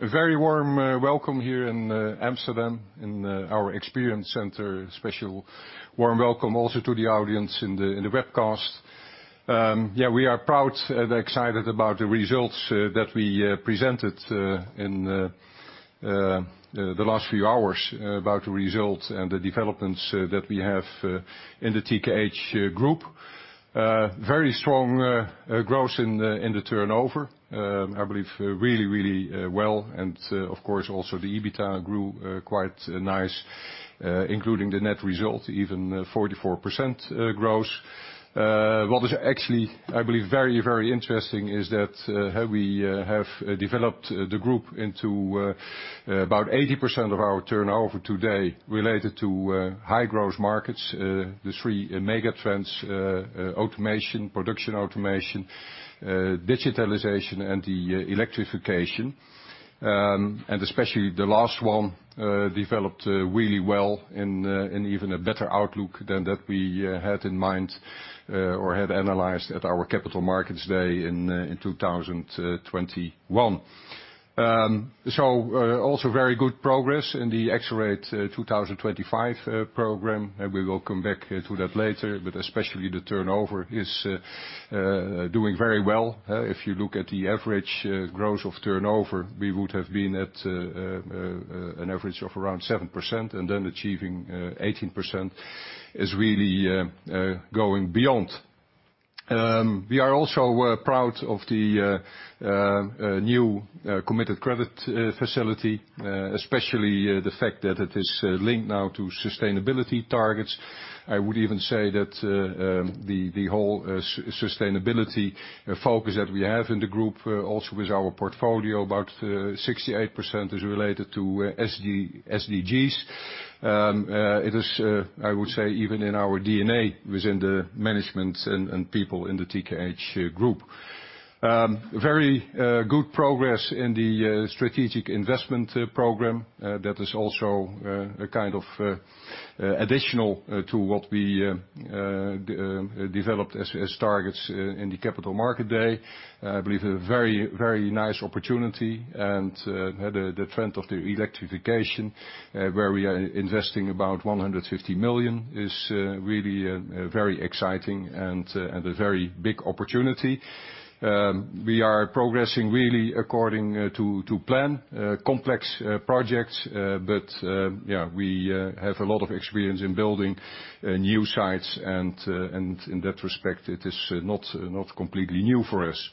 A very warm welcome here in Amsterdam in our experience center. A special warm welcome also to the audience in the webcast. Yeah, we are proud and excited about the results that we presented in the last few hours about the results and the developments that we have in the TKH Group. Very strong growth in the turnover. I believe really, really well and of course also the EBITDA grew quite nice including the net result, even 44% growth. What is actually, I believe very, very interesting is that how we have developed the group into about 80% of our turnover today related to high growth markets. The three mega trends, automation, production automation, digitalization and the electrification. Especially the last one developed really well and even a better outlook than that we had in mind or had analyzed at our Capital Markets Day in 2021. Also very good progress in the Accelerate 2025 program. We will come back to that later. Especially the turnover is doing very well. If you look at the average growth of turnover, we would have been at an average of around 7% and then achieving 18% is really going beyond. We are also proud of the new committed credit facility, especially the fact that it is linked now to sustainability targets. I would even say that the whole sustainability focus that we have in the Group also with our portfolio, about 68% is related to SDGs. It is, I would say even in our D&A within the management and people in the TKH Group. Very good progress in the strategic investment program. That is also a kind of additional to what we developed as targets in the Capital Markets Day. I believe a very, very nice opportunity. The trend of the electrification, where we are investing about 150 million is really very exciting and a very big opportunity. We are progressing really according to plan, complex projects. Yeah, we have a lot of experience in building new sites, and in that respect, it is not completely new for us.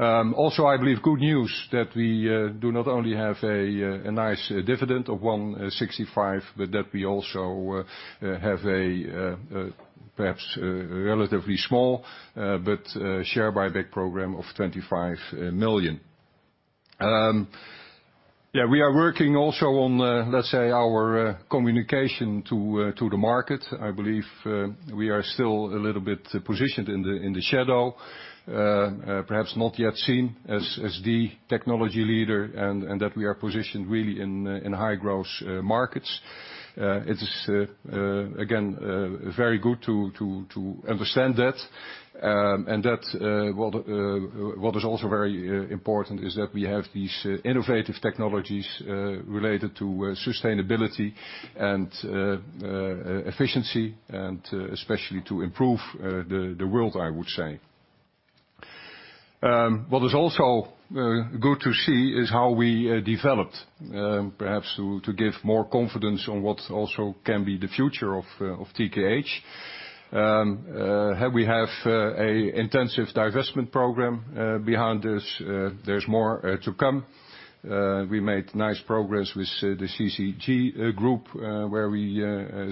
I believe good news that we do not only have a nice dividend of 1.65, but that we also have a perhaps relatively small, but share buyback program of 25 million. We are working also on, let's say, our communication to the market. I believe, we are still a little bit positioned in the shadow. Perhaps not yet seen as the technology leader, and that we are positioned really in high growth markets. It is again very good to understand that, and that what is also very important is that we have these innovative technologies related to sustainability and efficiency and especially to improve the world, I would say. What is also good to see is how we developed, perhaps to give more confidence on what also can be the future of TKH. How we have an intensive divestment program behind us. There's more to come. We made nice progress with the CCG Group, where we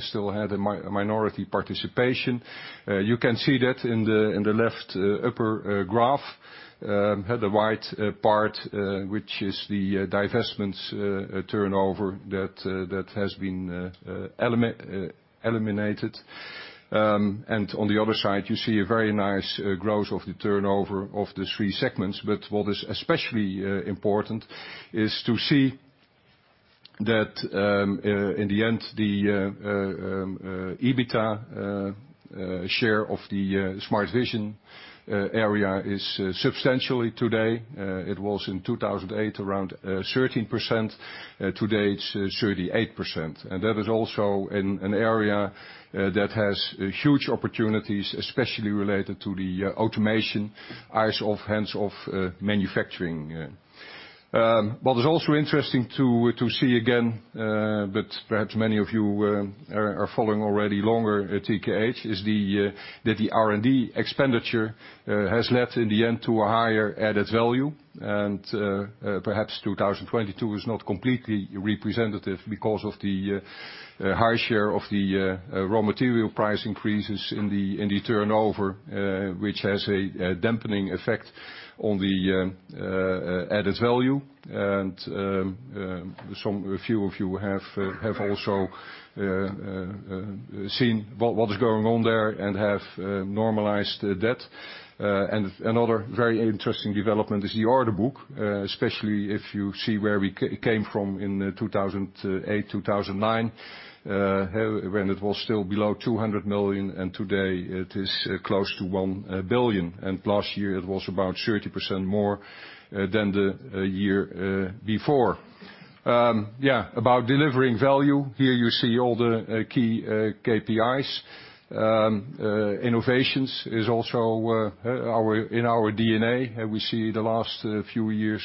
still had a minority participation. You can see that in the left upper graph, how the white part, which is the divestments, turnover that has been eliminated. On the other side, you see a very nice growth of the turnover of the three segments. What is especially important is to see that in the end, the EBITDA share of the Smart Vision area is substantially today. It was in 2008, around 13%. Today it's 38%. That is also an area that has huge opportunities, especially related to the automation, eyes-off, hands-off manufacturing. Interesting to see again, but perhaps many of you are following already longer at TKH, is that the R&D expenditure has led in the end to a higher added value. Perhaps 2022 is not completely representative because of the high share of the raw material price increases in the turnover, which has a dampening effect on the added value. A few of you have also seen what is going on there and have normalized that. Another very interesting development is the order book, especially if you see where we came from in 2008, 2009, when it was still below 200 million, and today it is close to 1 billion Last year it was about 30% more than the year before. About delivering value, here you see all the key KPIs. Innovations is also in our D&A, and we see the last few years,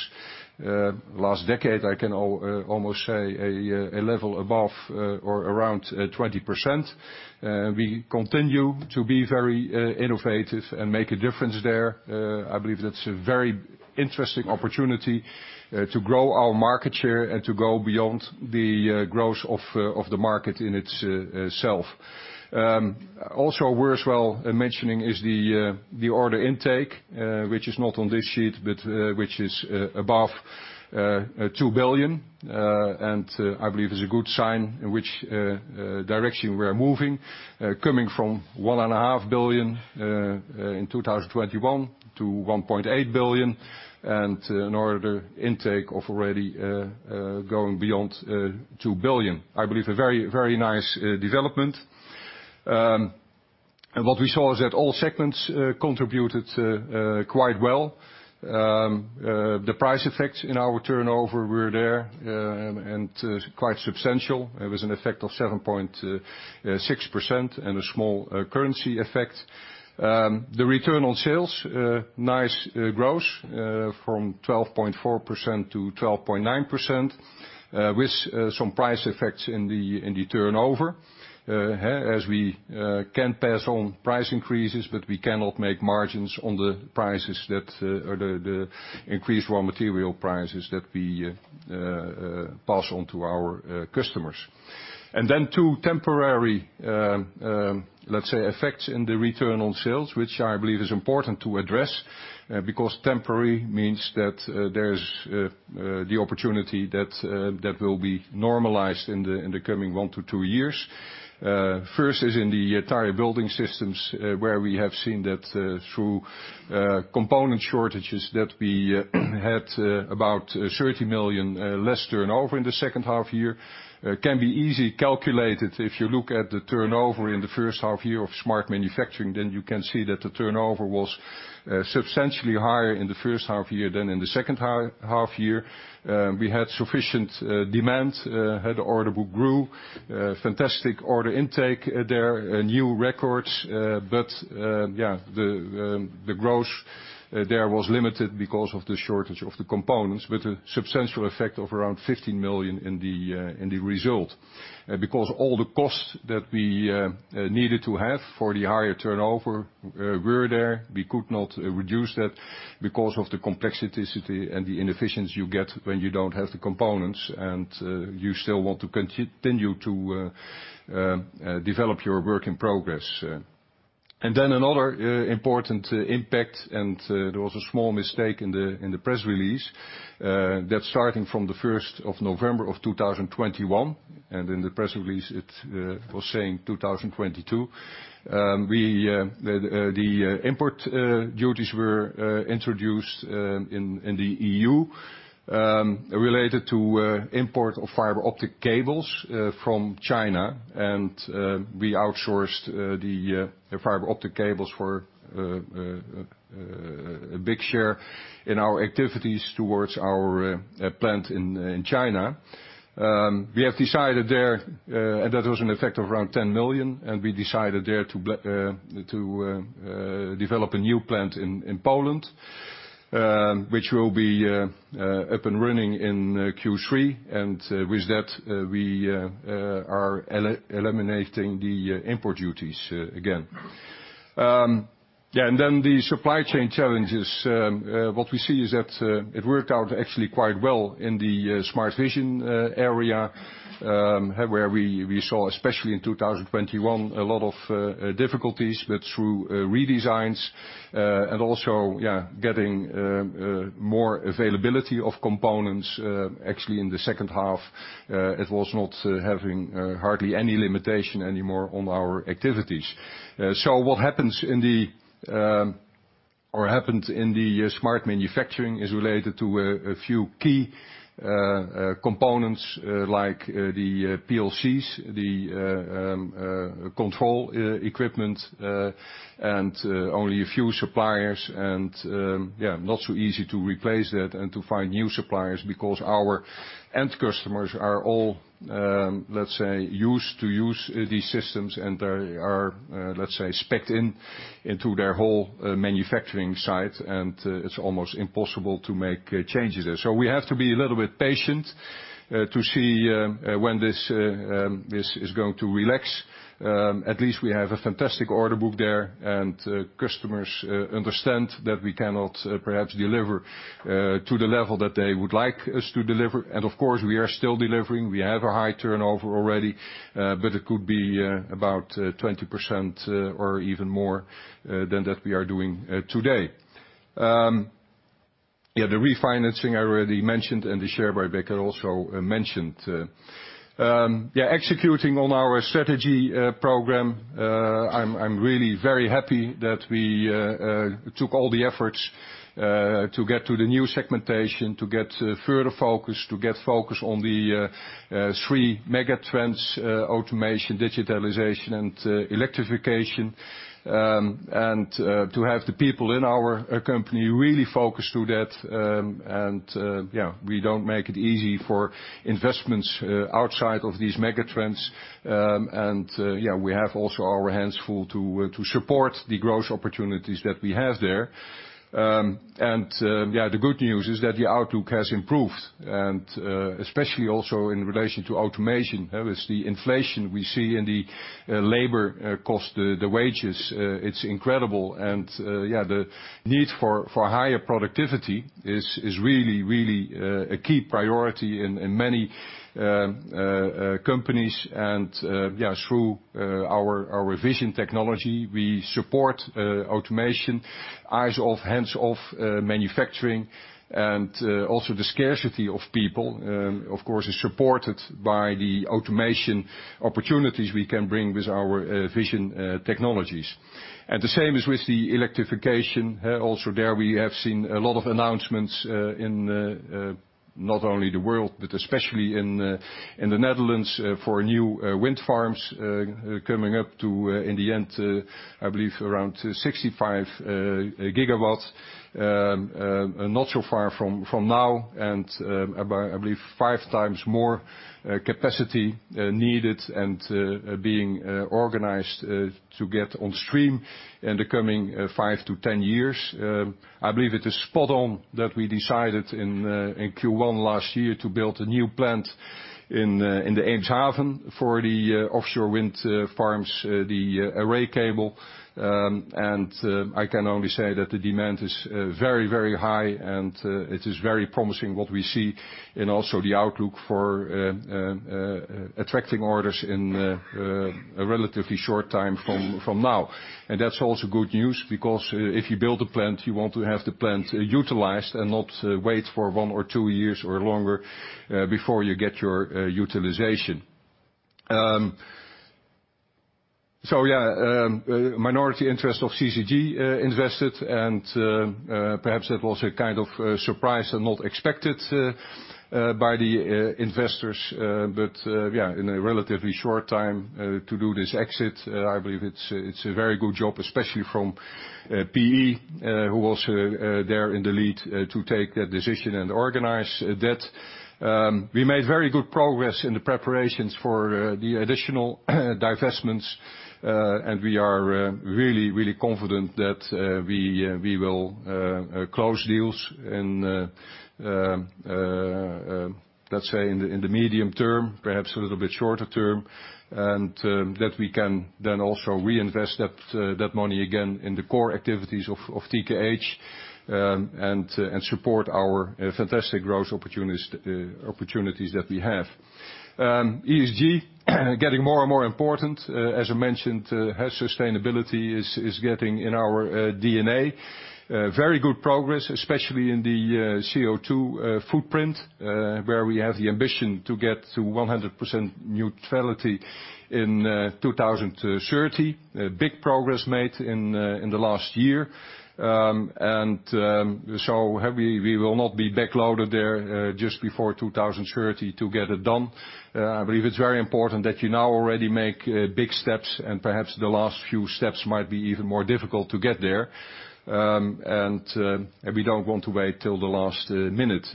last decade, I can almost say a level above or around 20%. We continue to be very innovative and make a difference there. I believe that's a very interesting opportunity to grow our market share and to go beyond the growth of the market in itself. Also worth well mentioning is the order intake, which is not on this sheet, but which is above 2 billion. I believe is a good sign in which direction we are moving, coming from 1.5 billion in 2021 to 1.8 billion, and an order intake of already going beyond 2 billion. I believe a very, very nice development. What we saw is that all segments contributed quite well. The price effects in our turnover were there and quite substantial. It was an effect of 7.6% and a small currency effect. The return on sales, a nice growth from 12.4% to 12.9%, with some price effects in the turnover. As we can pass on price increases, but we cannot make margins on the prices that or the increased raw material prices that we pass on to our customers. Two temporary, let's say effects in the return on sales, which I believe is important to address, because temporary means that there's the opportunity that that will be normalized in the coming one to two years. First is in the tire-building systems, where we have seen that through component shortages that we had about 30 million less turnover in the second half year. Can be easy calculated if you look at the turnover in the first half year of Smart Manufacturing, you can see that the turnover was substantially higher in the first half year than in the second half year. We had sufficient demand, had order book grew, fantastic order intake there, new records, the growth there was limited because of the shortage of the components with a substantial effect of around 50 million in the result. Because all the costs that we needed to have for the higher turnover were there, we could not reduce that because of the complexity and the inefficiency you get when you don't have the components, you still want to continue to develop your work in progress. Then another important impact, there was a small mistake in the press release, that starting from the 1st of November 2021, in the press release, it was saying 2022, we the import duties were introduced in the EU related to import of fibre optic cables from China. We outsourced the fibre optic cables for a big share in our activities towards our plant in China. We have decided there, and that was an effect of around 10 million, we decided there to develop a new plant in Poland, which will be up and running in Q3, and with that, we are eliminating the import duties again. Then the supply chain challenges, what we see is that it worked out actually quite well in the Smart Vision area, where we saw, especially in 2021, a lot of difficulties, but through redesigns and also getting more availability of components actually in the second half, it was not having hardly any limitation anymore on our activities. What happens in the, or happened in the, Smart Manufacturing is related to a few key components, like the PLCs, the control equipment, and only a few suppliers and, yeah, not so easy to replace that and to find new suppliers because our end customers are all, let's say, used to use these systems and they are, let's say, specced in into their whole manufacturing site, and it's almost impossible to make changes there. We have to be a little bit patient to see when this is going to relax. At least we have a fantastic order book there, and customers understand that we cannot perhaps deliver to the level that they would like us to deliver. Of course, we are still delivering. We have a high turnover already, but it could be about 20% or even more than that we are doing today. Yeah, the refinancing I already mentioned, and the share buyback I also mentioned. Yeah, executing on our strategy program, I'm really very happy that we took all the efforts to get to the new segmentation, to get further focus, to get focus on the three megatrends: automation, digitalization, and electrification. To have the people in our company really focused to that, yeah, we don't make it easy for investments outside of these megatrends. Yeah, we have also our hands full to support the growth opportunities that we have there. Yeah, the good news is that the outlook has improved, and especially also in relation to automation. Obviously, inflation we see in the labor cost, the wages, it's incredible. Yeah, the need for higher productivity is really, really a key priority in many companies. Yeah, through our vision technology, we support automation, eyes-off, hands-off manufacturing. Also the scarcity of people, of course, is supported by the automation opportunities we can bring with our vision technologies. The same as with the electrification, also there we have seen a lot of announcements in not only the world, but especially in the Netherlands, for new wind farms coming up to in the end, I believe around 6 GW to 5 GW not so far from now and about, I believe, five times more capacity needed and being organized to get on stream in the coming five to 10 years. I believe it's spot on that we decided in Q1 last year to build a new plant in Eemshaven for the offshore wind farms, the array cable. I can only say that the demand is very, very high, and it is very promising what we see in also the outlook for attracting orders in a relatively short time from now. That's also good news because if you build a plant, you want to have the plant utilized and not wait for one or two years or longer before you get your utilization. Yeah, minority interest of CCG invested and perhaps it was a kind of surprise and not expected by the investors. Yeah, in a relatively short time, to do this exit, I believe it's a very good job, especially from PE, who was there in the lead, to take that decision and organize that. We made very good progress in the preparations for the additional divestments, and we are really, really confident that we will close deals in, let's say, in the medium term, perhaps a little bit shorter term, and that we can then also reinvest that money again in the core activities of TKH, and support our fantastic growth opportunities that we have. ESG getting more and more important. As I mentioned, sustainability is getting in our D&A. Very good progress, especially in the CO2 footprint, where we have the ambition to get to 100% neutrality in 2030. Big progress made in the last year. We will not be backloaded there, just before 2030 to get it done. I believe it's very important that you now already make big steps and perhaps the last few steps might be even more difficult to get there. We don't want to wait till the last minute.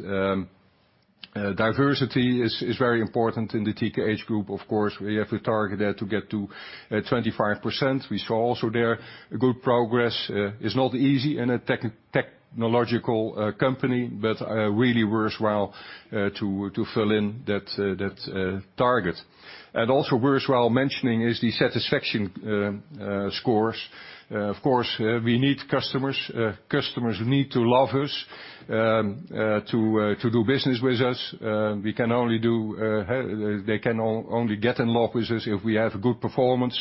Diversity is very important in the TKH Group, of course. We have a target there to get to 25%. We saw also there good progress. It's not easy in a technological company, but really worthwhile to fill in that target. Also worthwhile mentioning is the satisfaction scores. Of course, we need customers. Customers need to love us to do business with us. We can only do, they can only get in love with us if we have a good performance.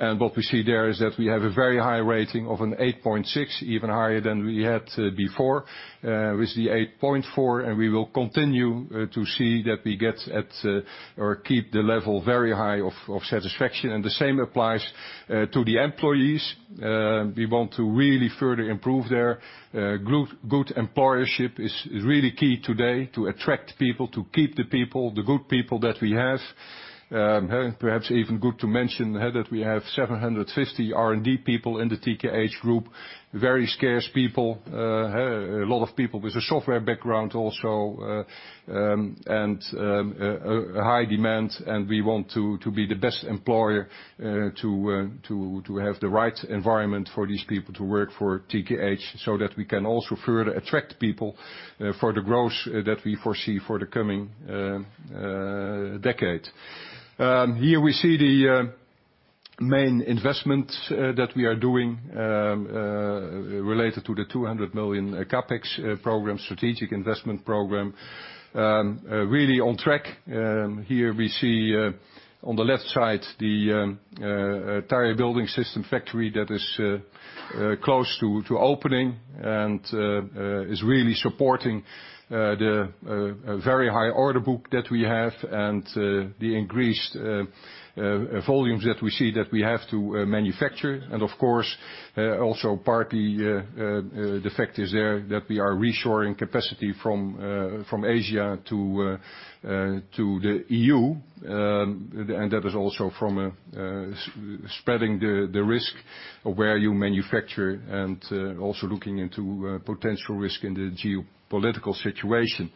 What we see there is that we have a very high rating of an 8.6, even higher than we had before, with the 8.4. We will continue to see that we get at or keep the level very high of satisfaction. The same applies to the employees. We want to really further improve their good employership is really key today to attract people, to keep the people, the good people that we have. Perhaps even good to mention that we have 750 R&D people in the TKH Group. Very scarce people. Lot of people with a software background also, and a high demand, and we want to be the best employer to have the right environment for these people to work for TKH so that we can also further attract people for the growth that we foresee for the coming decade. Here we see the main investment that we are doing related to the 200 million CapEx program, strategic investment program, really on track. Here we see on the left side, the tire building system factory that is close to opening and is really supporting the very high order book that we have and the increased volumes that we see that we have to manufacture Of course, also partly, the fact is there that we are reshoring capacity from Asia to the EU. That is also from spreading the risk of where you manufacture and also looking into potential risk in the geopolitical situation.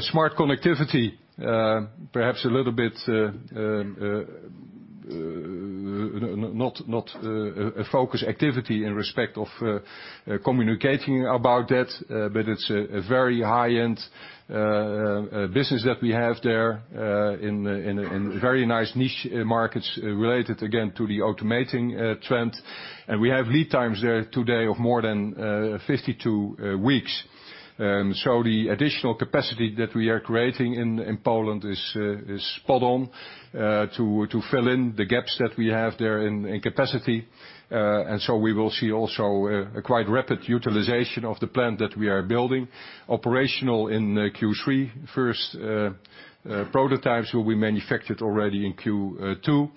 Smart Connectivity, perhaps a little bit not a focus activity in respect of communicating about that, but it's a very high-end business that we have there in very nice niche markets related again to the automating trend. We have lead times there today of more than 52 weeks. The additional capacity that we are creating in Poland is spot on to fill in the gaps that we have there in capacity. We will see also a quite rapid utilization of the plant that we are building operational in Q3. First, prototypes will be manufactured already in Q2.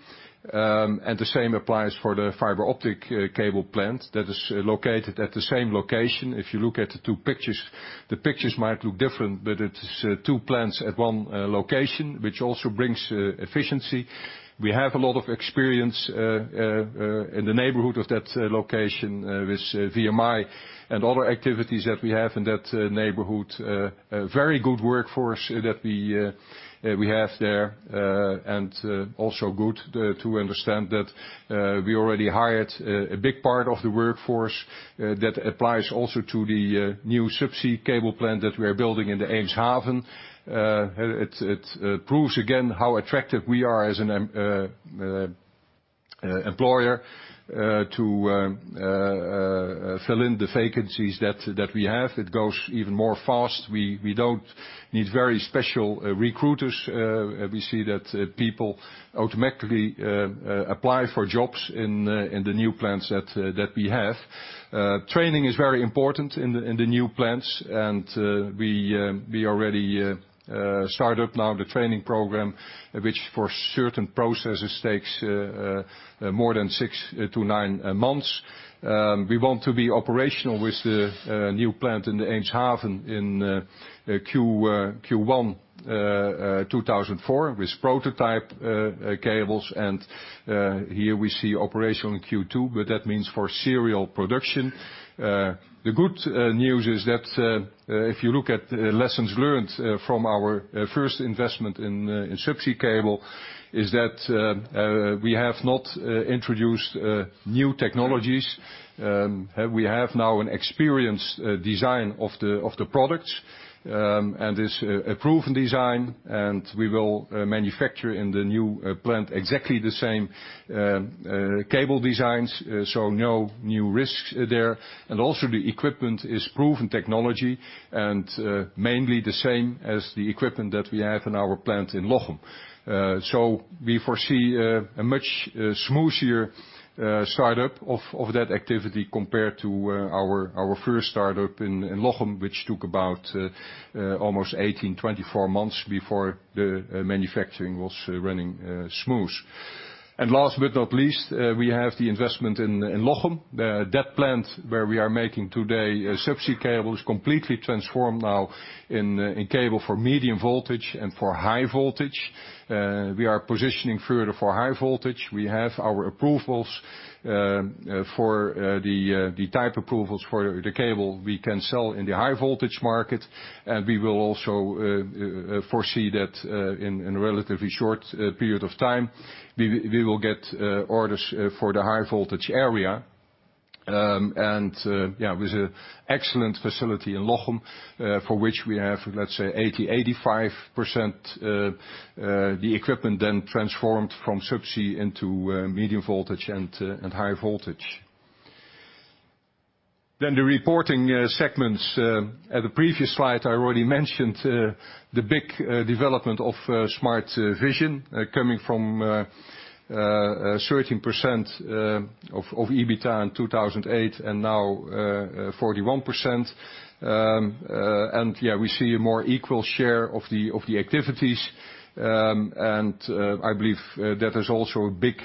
The same applies for the fibre optic cable plant that is located at the same location. If you look at the two pictures, the pictures might look different, but it's two plants at one location, which also brings efficiency. We have a lot of experience in the neighborhood of that location, with VMI and other activities that we have in that neighborhood. A very good workforce that we have there. Also good to understand that we already hired a big part of the workforce that applies also to the new subsea cable plant that we are building in Eemshaven. It proves again how attractive we are as an employer to fill in the vacancies that we have. It goes even more fast. We don't need very special recruiters. We see that people automatically apply for jobs in the new plants that we have. Training is very important in the new plants, and we already start up now the training program, which for certain processes takes more than six to nine months. We want to be operational with the new plant in the Eemshaven in Q1 2004 with prototype cables. Here we see operational in Q2, but that means for serial production. The good news is that if you look at lessons learned from our first investment in subsea cable, is that we have not introduced new technologies. We have now an experienced design of the products, and it's a proven design, and we will manufacture in the new plant exactly the same cable designs, so no new risks there. Also the equipment is proven technology and mainly the same as the equipment that we have in our plant in Lochem. We foresee a much smoother start-up of that activity compared to our first start-up in Lochem, which took about almost 18-24 months before the manufacturing was running smooth. Last but not least, we have the investment in Lochem. That plant, where we are making today subsea cables, completely transformed now in cable for medium voltage and for high voltage. We are positioning further for high voltage. We have our approvals for the type approvals for the cable we can sell in the high-voltage market. We will also foresee that in a relatively short period of time, we will get orders for the high-voltage area. Um, and, uh, yeah, with an excellent facility in Lochem, uh, for which we have, let's say 80%-85%, uh, uh, the equipment then transformed from subsea into medium voltage and, uh, and high voltage. Then the reporting, uh, segments. Uh, at the previous slide, I already mentioned, uh, the big, uh, development of, uh, Smart Vision coming from, uh, uh, 13%, uh, of, of EBITA in 2008 and now, uh, uh, 41%. Um, uh, and yeah, we see a more equal share of the, of the activities. Um, and, uh, I believe, uh, that is also a big,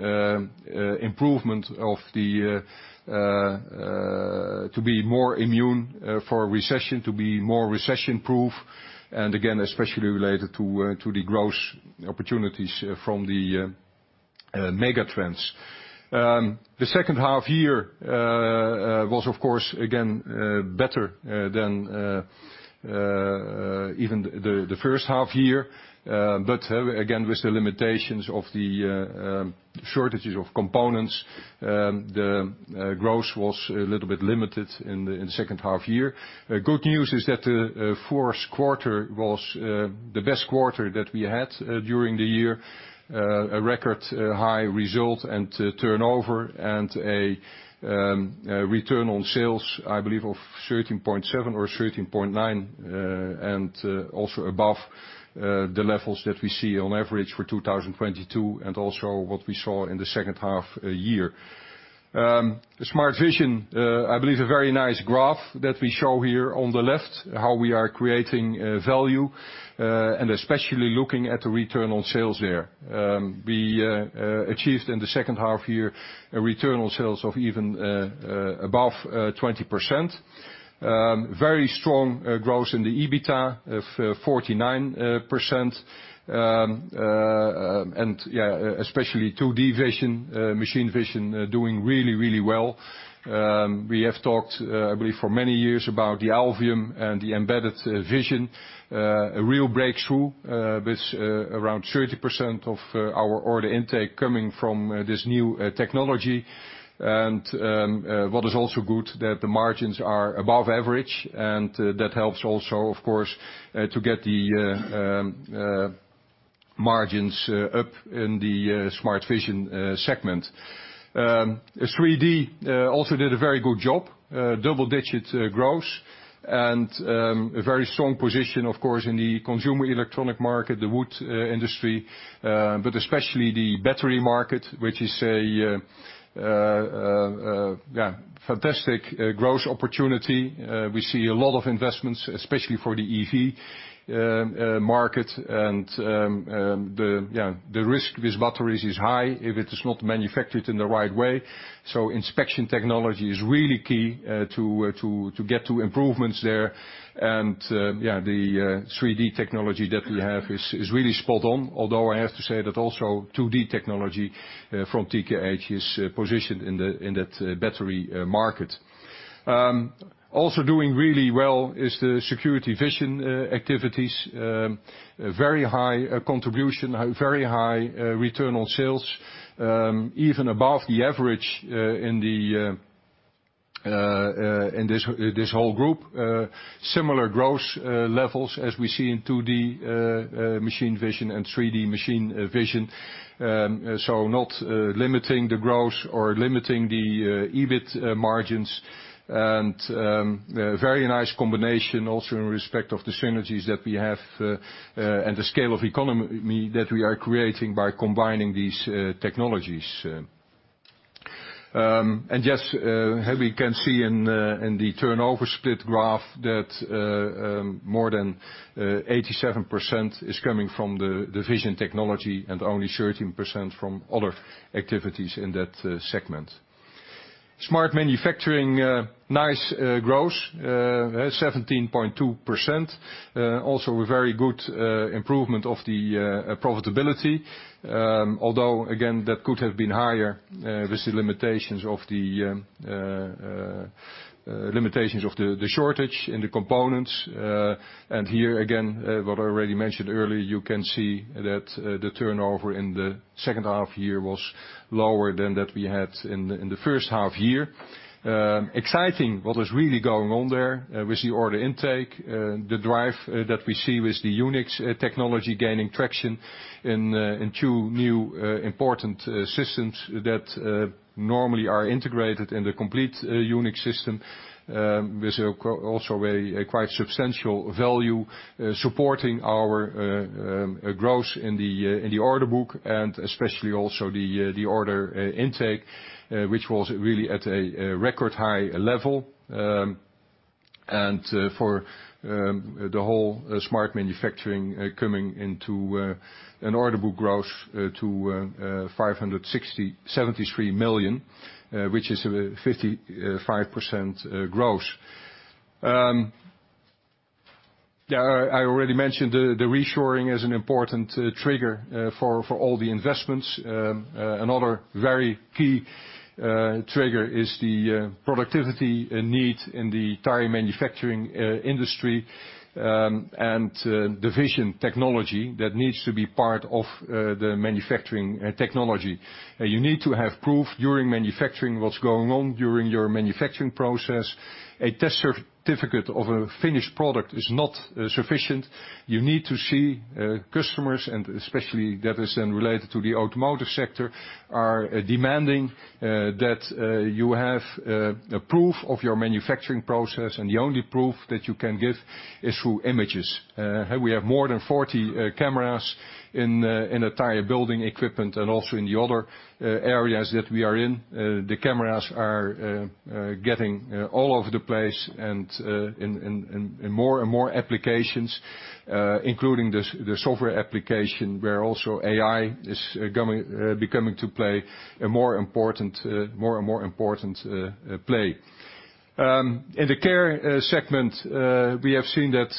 um, uh, improvement of the, uh, uh, to be more immune for a recession, to be more recession-proof, and again, especially related to, uh, to the growth opportunities from the, uh, mega trends. The second half year was of course again better than even the first half year. Again, with the limitations of the shortages of components, the growth was a little bit limited in the second half year. The good news is that fourth quarter was the best quarter that we had during the year. A record high result and turnover and a return on sales, I believe, of 13.7 or 13.9, and also above the levels that we see on average for 2022 and also what we saw in the second half year. The Smart Vision, I believe a very nice graph that we show here on the left, how we are creating value, and especially looking at the return on sales there. We achieved in the second half year a return on sales of even above 20%. Very strong growth in the EBITA of 49%. Especially 2D vision, machine vision doing really, really well. We have talked, I believe for many years about the Alvium and the Embedded Vision, a real breakthrough, with around 30% of our order intake coming from this new technology. What is also good that the margins are above average, and that helps also of course, to get the margins up in the Smart Vision segment. 3D also did a very good job, double-digit growth, and a very strong position, of course, in the consumer electronic market, the wood industry, but especially the battery market, which is a fantastic growth opportunity. We see a lot of investments, especially for the EV market and the risk with batteries is high if it is not manufactured in the right way. Inspection technology is really key to get to improvements there. The 3D technology that we have is really spot on. Although I have to say that also 2D technology from TKH is positioned in that battery market. Also doing really well is the security vision activities, a very high contribution, very high return on sales, even above the average in this whole group. Similar growth levels as we see in 2D machine vision and 3D machine vision. Not limiting the growth or limiting the EBIT margins. A very nice combination also in respect of the synergies that we have and the scale of economy that we are creating by combining these technologies. We can see in the turnover split graph that more than 87% is coming from the vision technology and only 13% from other activities in that segment. Smart Manufacturing, nice growth, 17.2%. Also a very good improvement of the profitability, although again, that could have been higher with the limitations of the shortage in the components. Here again, what I already mentioned earlier, you can see that the turnover in the second half year was lower than that we had in the first half year. Exciting what was really going on there with the order intake, the drive that we see with the UNIXX technology gaining traction in two new important systems that normally are integrated in the complete UNIXX system, with also a quite substantial value supporting our growth in the order book, and especially also the order intake, which was really at a record high level. And for the whole Smart Manufacturing coming into an order book growth to 573 million, which is a 55% growth. Yeah, I already mentioned the reshoring is an important trigger for all the investments. Another very key trigger is the productivity need in the tire manufacturing industry, and the vision technology that needs to be part of the manufacturing technology. You need to have proof during manufacturing what's going on during your manufacturing process. A test certificate of a finished product is not sufficient. You need to see customers, and especially that is then related to the automotive sector, are demanding that you have a proof of your manufacturing process, and the only proof that you can give is through images. We have more than 40 cameras in a tire building equipment and also in the other areas that we are in. The cameras are getting all over the place and in more and more applications, including the software application, where also AI is coming to play a more important, more and more important play. In the care segment, we have seen that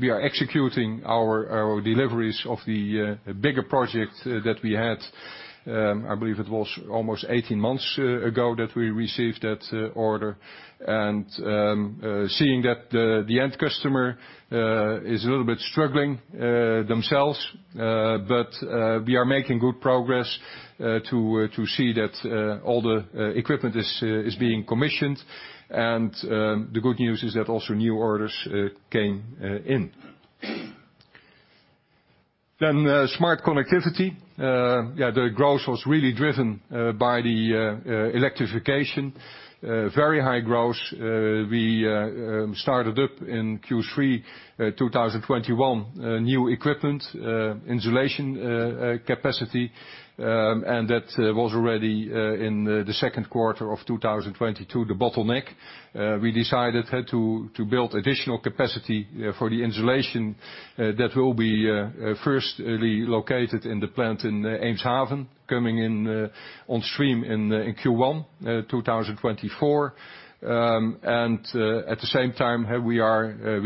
we are executing our deliveries of the bigger project that we had. I believe it was almost 18 months ago that we received that order. And seeing that the end customer is a little bit struggling themselves. But we are making good progress to see that all the equipment is being commissioned. And the good news is that also new orders came in. Smart Connectivity. Yeah, the growth was really driven by the electrification. Very high growth. We started up in Q3 2021. New equipment, insulation capacity, and that was already in the second quarter of 2022, the bottleneck. We decided how to build additional capacity for the insulation, that will be firstly located in the plant in Eemshaven, coming on stream in Q1 2024. At the same time, we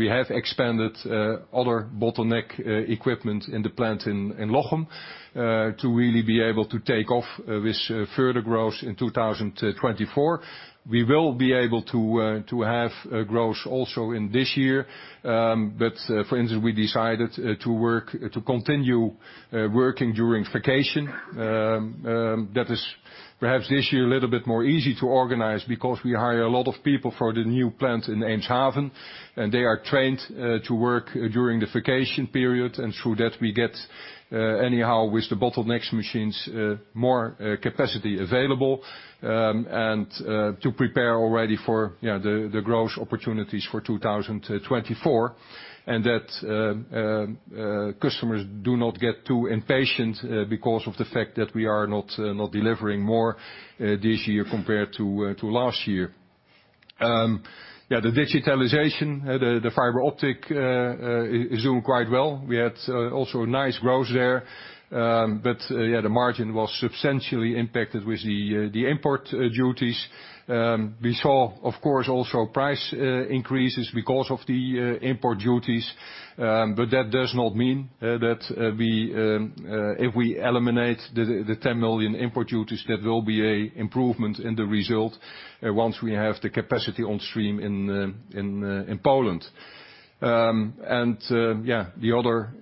have expanded other bottleneck equipment in the plant in Lochem, to really be able to take off with further growth in 2024. We will be able to have growth also in this year. For instance, we decided to continue working during vacation. That is perhaps this year a little bit more easy to organize because we hire a lot of people for the new plant in Eemshaven, and they are trained to work during the vacation period. Through that, we get anyhow, with the bottlenecks machines, more capacity available. To prepare already for, you know, the growth opportunities for 2024, and that customers do not get too impatient because of the fact that we are not delivering more this year compared to last year. The digitalization, the fiber optic, is doing quite well. We had also a nice growth there. The margin was substantially impacted with the import duties. We saw, of course, also price increases because of the import duties. That does not mean that we, if we eliminate the 10 million import duties, that will be an improvement in the result once we have the capacity on stream in Poland. Yeah, the other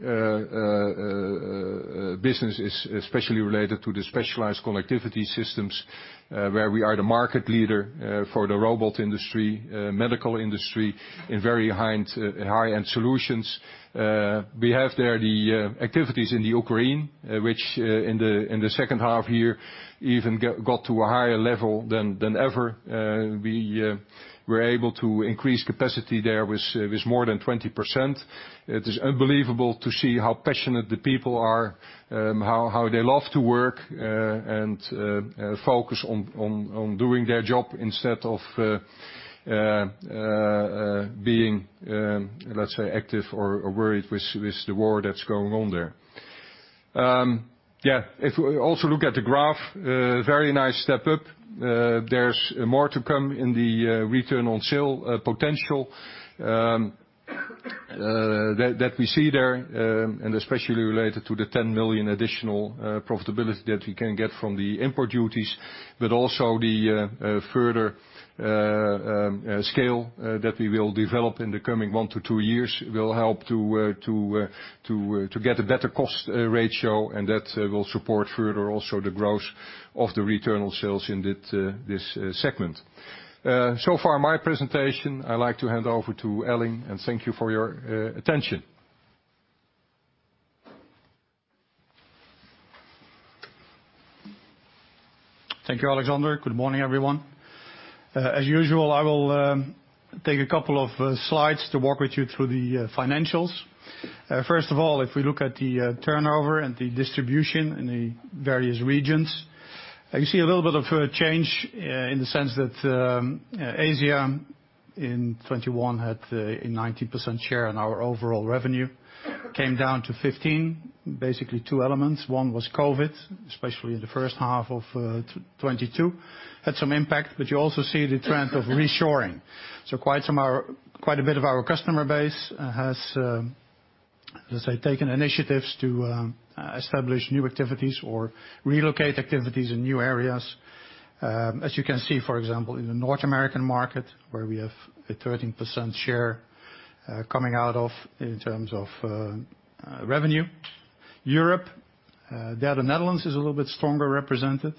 business is especially related to the specialized connectivity systems, where we are the market leader for the robot industry, medical industry in very high-end solutions. We have there the activities in the Ukraine, which in the second half year even got to a higher level than ever. We were able to increase capacity there with more than 20%. It is unbelievable to see how passionate the people are, how they love to work, and focus on doing their job instead of being, let's say, active or worried with the war that's going on there. Yeah, if we also look at the graph, a very nice step up. There's more to come in the return on sales potential that we see there, and especially related to the 10 million additional profitability that we can get from the import duties. But also the further scale that we will develop in the coming one to two years will help to get a better cost ratio, and that will support further also the growth of the return on sales in this segment. So far my presentation, I like to hand over to Elling, and thank you for your attention. Thank you, Alexander. Good morning, everyone. As usual, I will take a couple of slides to walk with you through the financials. First of all, if we look at the turnover and the distribution in the various regions, you see a little bit of a change in the sense that Asia in 2021 had a 90% share on our overall revenue. Came down to 15, basically two elements. One was COVID, especially in the first half of 2022, had some impact. You also see the trend of reshoring. Quite a bit of our customer base has, let's say, taken initiatives to establish new activities or relocate activities in new areas. As you can see, for example, in the North American market, where we have a 13% share, coming out of in terms of revenue. Europe, there, the Netherlands is a little bit stronger represented.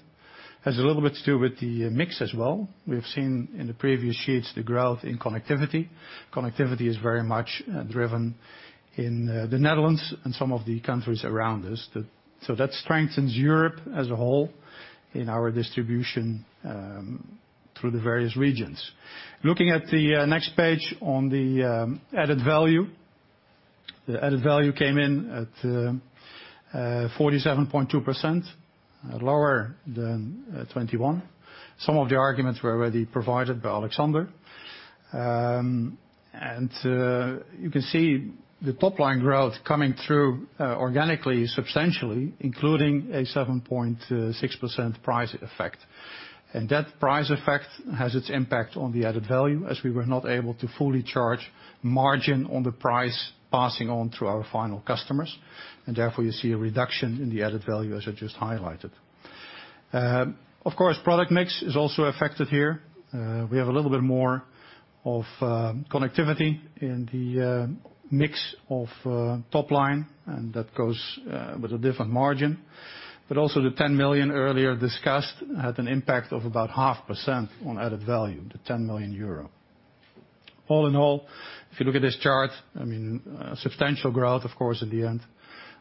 Has a little bit to do with the mix as well. We've seen in the previous sheets the growth in Smart Connectivity. Smart Connectivity is very much driven in the Netherlands and some of the countries around us. That strengthens Europe as a whole in our distribution, through the various regions. Looking at the next page on the added value. The added value came in at 47.2%, lower than 2021. Some of the arguments were already provided by Alexander. You can see the top line growth coming through organically, substantially, including a 7.6% price effect. That price effect has its impact on the added value, as we were not able to fully charge margin on the price passing on through our final customers, and therefore you see a reduction in the added value as I just highlighted. Of course, product mix is also affected here. We have a little bit more of connectivity in the mix of top line, and that goes with a different margin. Also the 10 million earlier discussed had an impact of about 0.5% on added value, the 10 million euro. All in all, if you look at this chart, I mean, substantial growth of course at the end,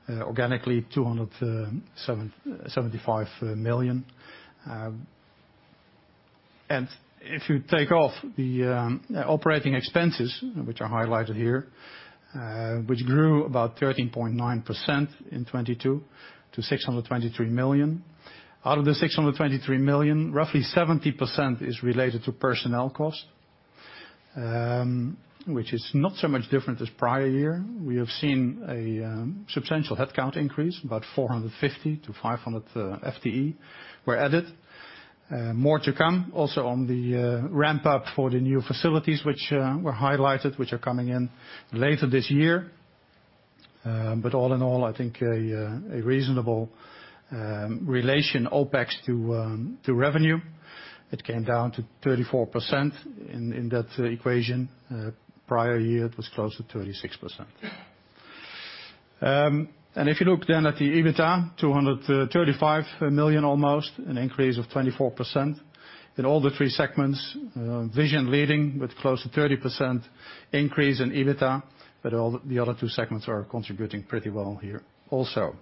organically 275 million. If you take off the operating expenses, which are highlighted here, which grew about 13.9% in 2022 to 623 million. Out of the 623 million, roughly 70% is related to personnel costs, which is not so much different as prior year. We have seen a substantial headcount increase, about 450-500 FTE were added. More to come also on the ramp up for the new facilities which were highlighted, which are coming in later this year. All in all, I think a reasonable relation OpEx to revenue. It came down to 34% in that equation. Prior year it was close to 36%. If you look at the EBITDA, 235 million almost, an increase of 24%. In all the three segments, vision leading with close to 30% increase in EBITDA, all the other two segments are contributing pretty well here also.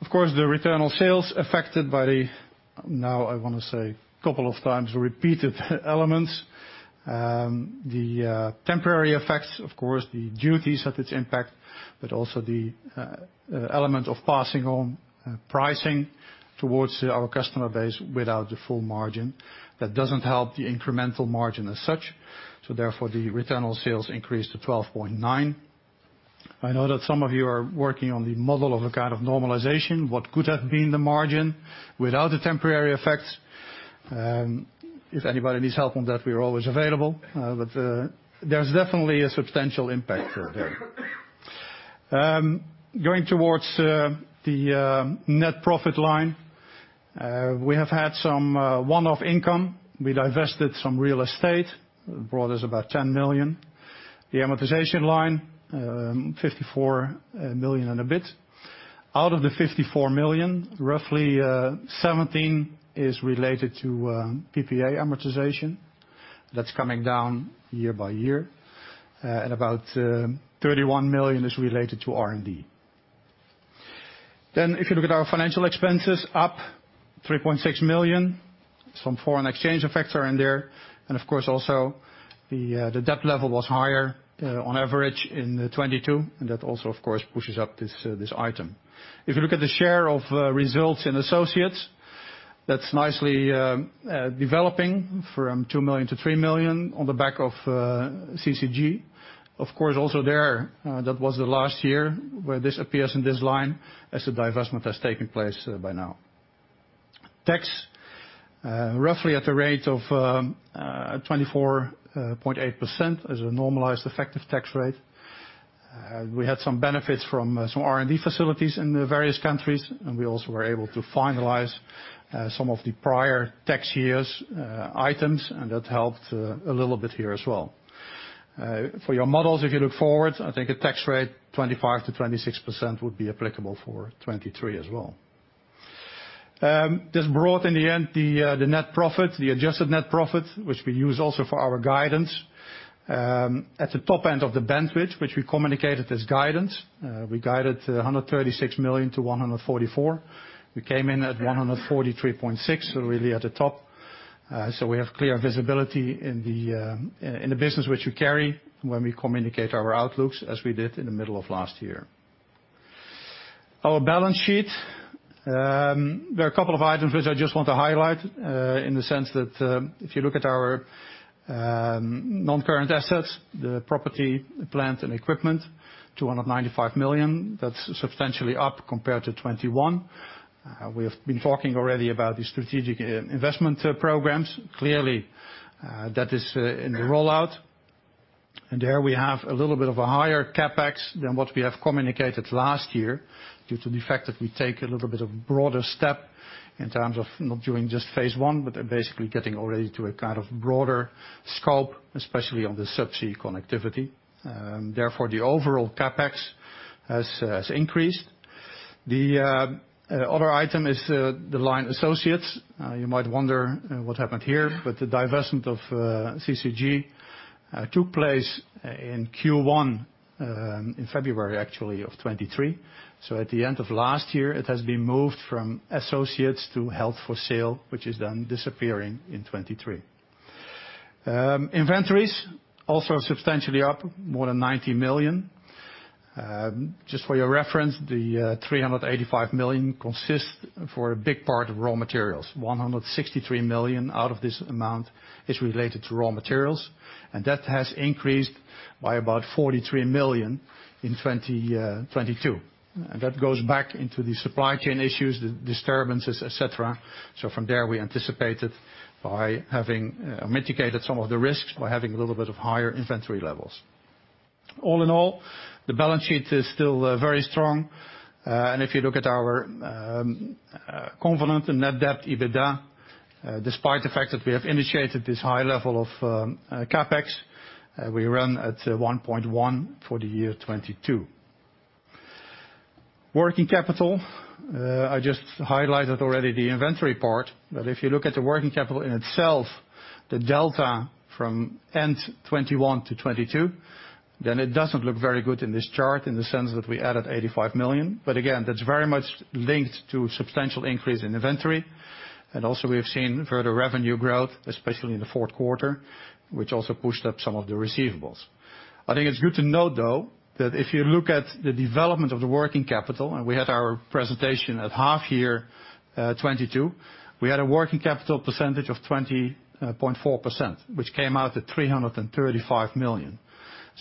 Of course, the return on sales affected by the, now I want to say a couple of times, repeated elements. The temporary effects, of course, the duties had its impact, also the element of passing on pricing towards our customer base without the full margin. That doesn't help the incremental margin as such. The return on sales increased to 12.9%. I know that some of you are working on the model of a kind of normalization, what could have been the margin without the temporary effects. If anybody needs help on that, we are always available, but there's definitely a substantial impact there. Going towards the net profit line. We have had some one-off income. We divested some real estate, brought us about 10 million. The amortization line, 54 million and a bit. Out of the 54 million, roughly, 17 is related to PPA amortization. That's coming down year by year. About 31 million is related to R&D. If you look at our financial expenses, up 3.6 million. Some foreign exchange effects are in there. Of course, also the debt level was higher on average in 2022. That also, of course, pushes up this item. If you look at the share of results in associates, that's nicely developing from 2 million to 3 million on the back of CCG. Of course, also there, that was the last year where this appears in this line as the divestment has taken place by now. Tax, roughly at a rate of 24.8% as a normalized effective tax rate. We had some benefits from some R&D facilities in the various countries, and we also were able to finalize some of the prior tax year's items, and that helped a little bit here as well. For your models, if you look forward, I think a tax rate 25%-26% would be applicable for 2023 as well. This brought in the end the net profit, the adjusted net profit, which we use also for our guidance, at the top end of the bandwidth, which we communicated as guidance. We guided 136 million-144 million. We came in at 143.6 million, really at the top. We have clear visibility in the business which we carry when we communicate our outlooks, as we did in the middle of last year. Our balance sheet. There are a couple of items which I just want to highlight, in the sense that, if you look at our non-current assets, the property, plant, and equipment, 295 million, that's substantially up compared to 2021. We have been talking already about the strategic investment programs. Clearly, that is in the rollout. There we have a little bit of a higher CapEx than what we have communicated last year due to the fact that we take a little bit of a broader step in terms of not doing just phase one, but basically getting already to a kind of broader scope, especially on the subsea connectivity. Therefore, the overall CapEx has increased. The other item is the line associates. You might wonder what happened here, but the divestment of CCG took place in Q1 in February actually of 2023. At the end of last year, it has been moved from associates to held for sale, which is then disappearing in 2023. Inventories also substantially up more than 90 million. Just for your reference, the 385 million consists for a big part of raw materials. 163 million out of this amount is related to raw materials, and that has increased by about 43 million in 2022. That goes back into the supply chain issues, the disturbances, et cetera. From there, we anticipated by having mitigated some of the risks by having a little bit of higher inventory levels. All in all, the balance sheet is still very strong. If you look at our covenant and net debt EBITDA, despite the fact that we have initiated this high level of CapEx, we run at 1.1 for the year 2022. Working capital, I just highlighted already the inventory part. If you look at the working capital in itself, the delta from end 2021 to 2022, then it doesn't look very good in this chart in the sense that we added 85 million. Again, that's very much linked to substantial increase in inventory. Also, we have seen further revenue growth, especially in the fourth quarter, which also pushed up some of the receivables. I think it's good to note, though, that if you look at the development of the working capital, and we had our presentation at half year 2022, we had a working capital percentage of 20.4%, which came out at 335 million.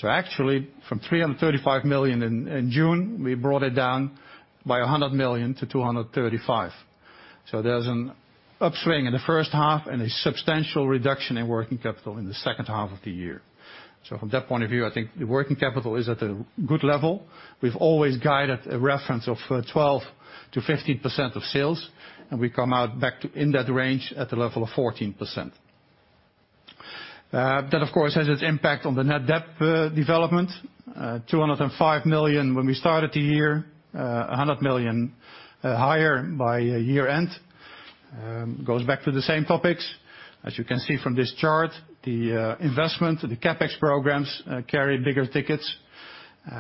Actually, from 335 million in June, we brought it down by 100 million to 235 million. There's an upswing in the first half and a substantial reduction in working capital in the second half of the year. From that point of view, I think the working capital is at a good level. We've always guided a reference of 12%-15% of sales, and we come out back to in that range at a level of 14%. That, of course, has its impact on the net debt development. 205 million when we started the year, 100 million higher by year-end. Goes back to the same topics. As you can see from this chart, the investment, the CapEx programs, carry bigger tickets.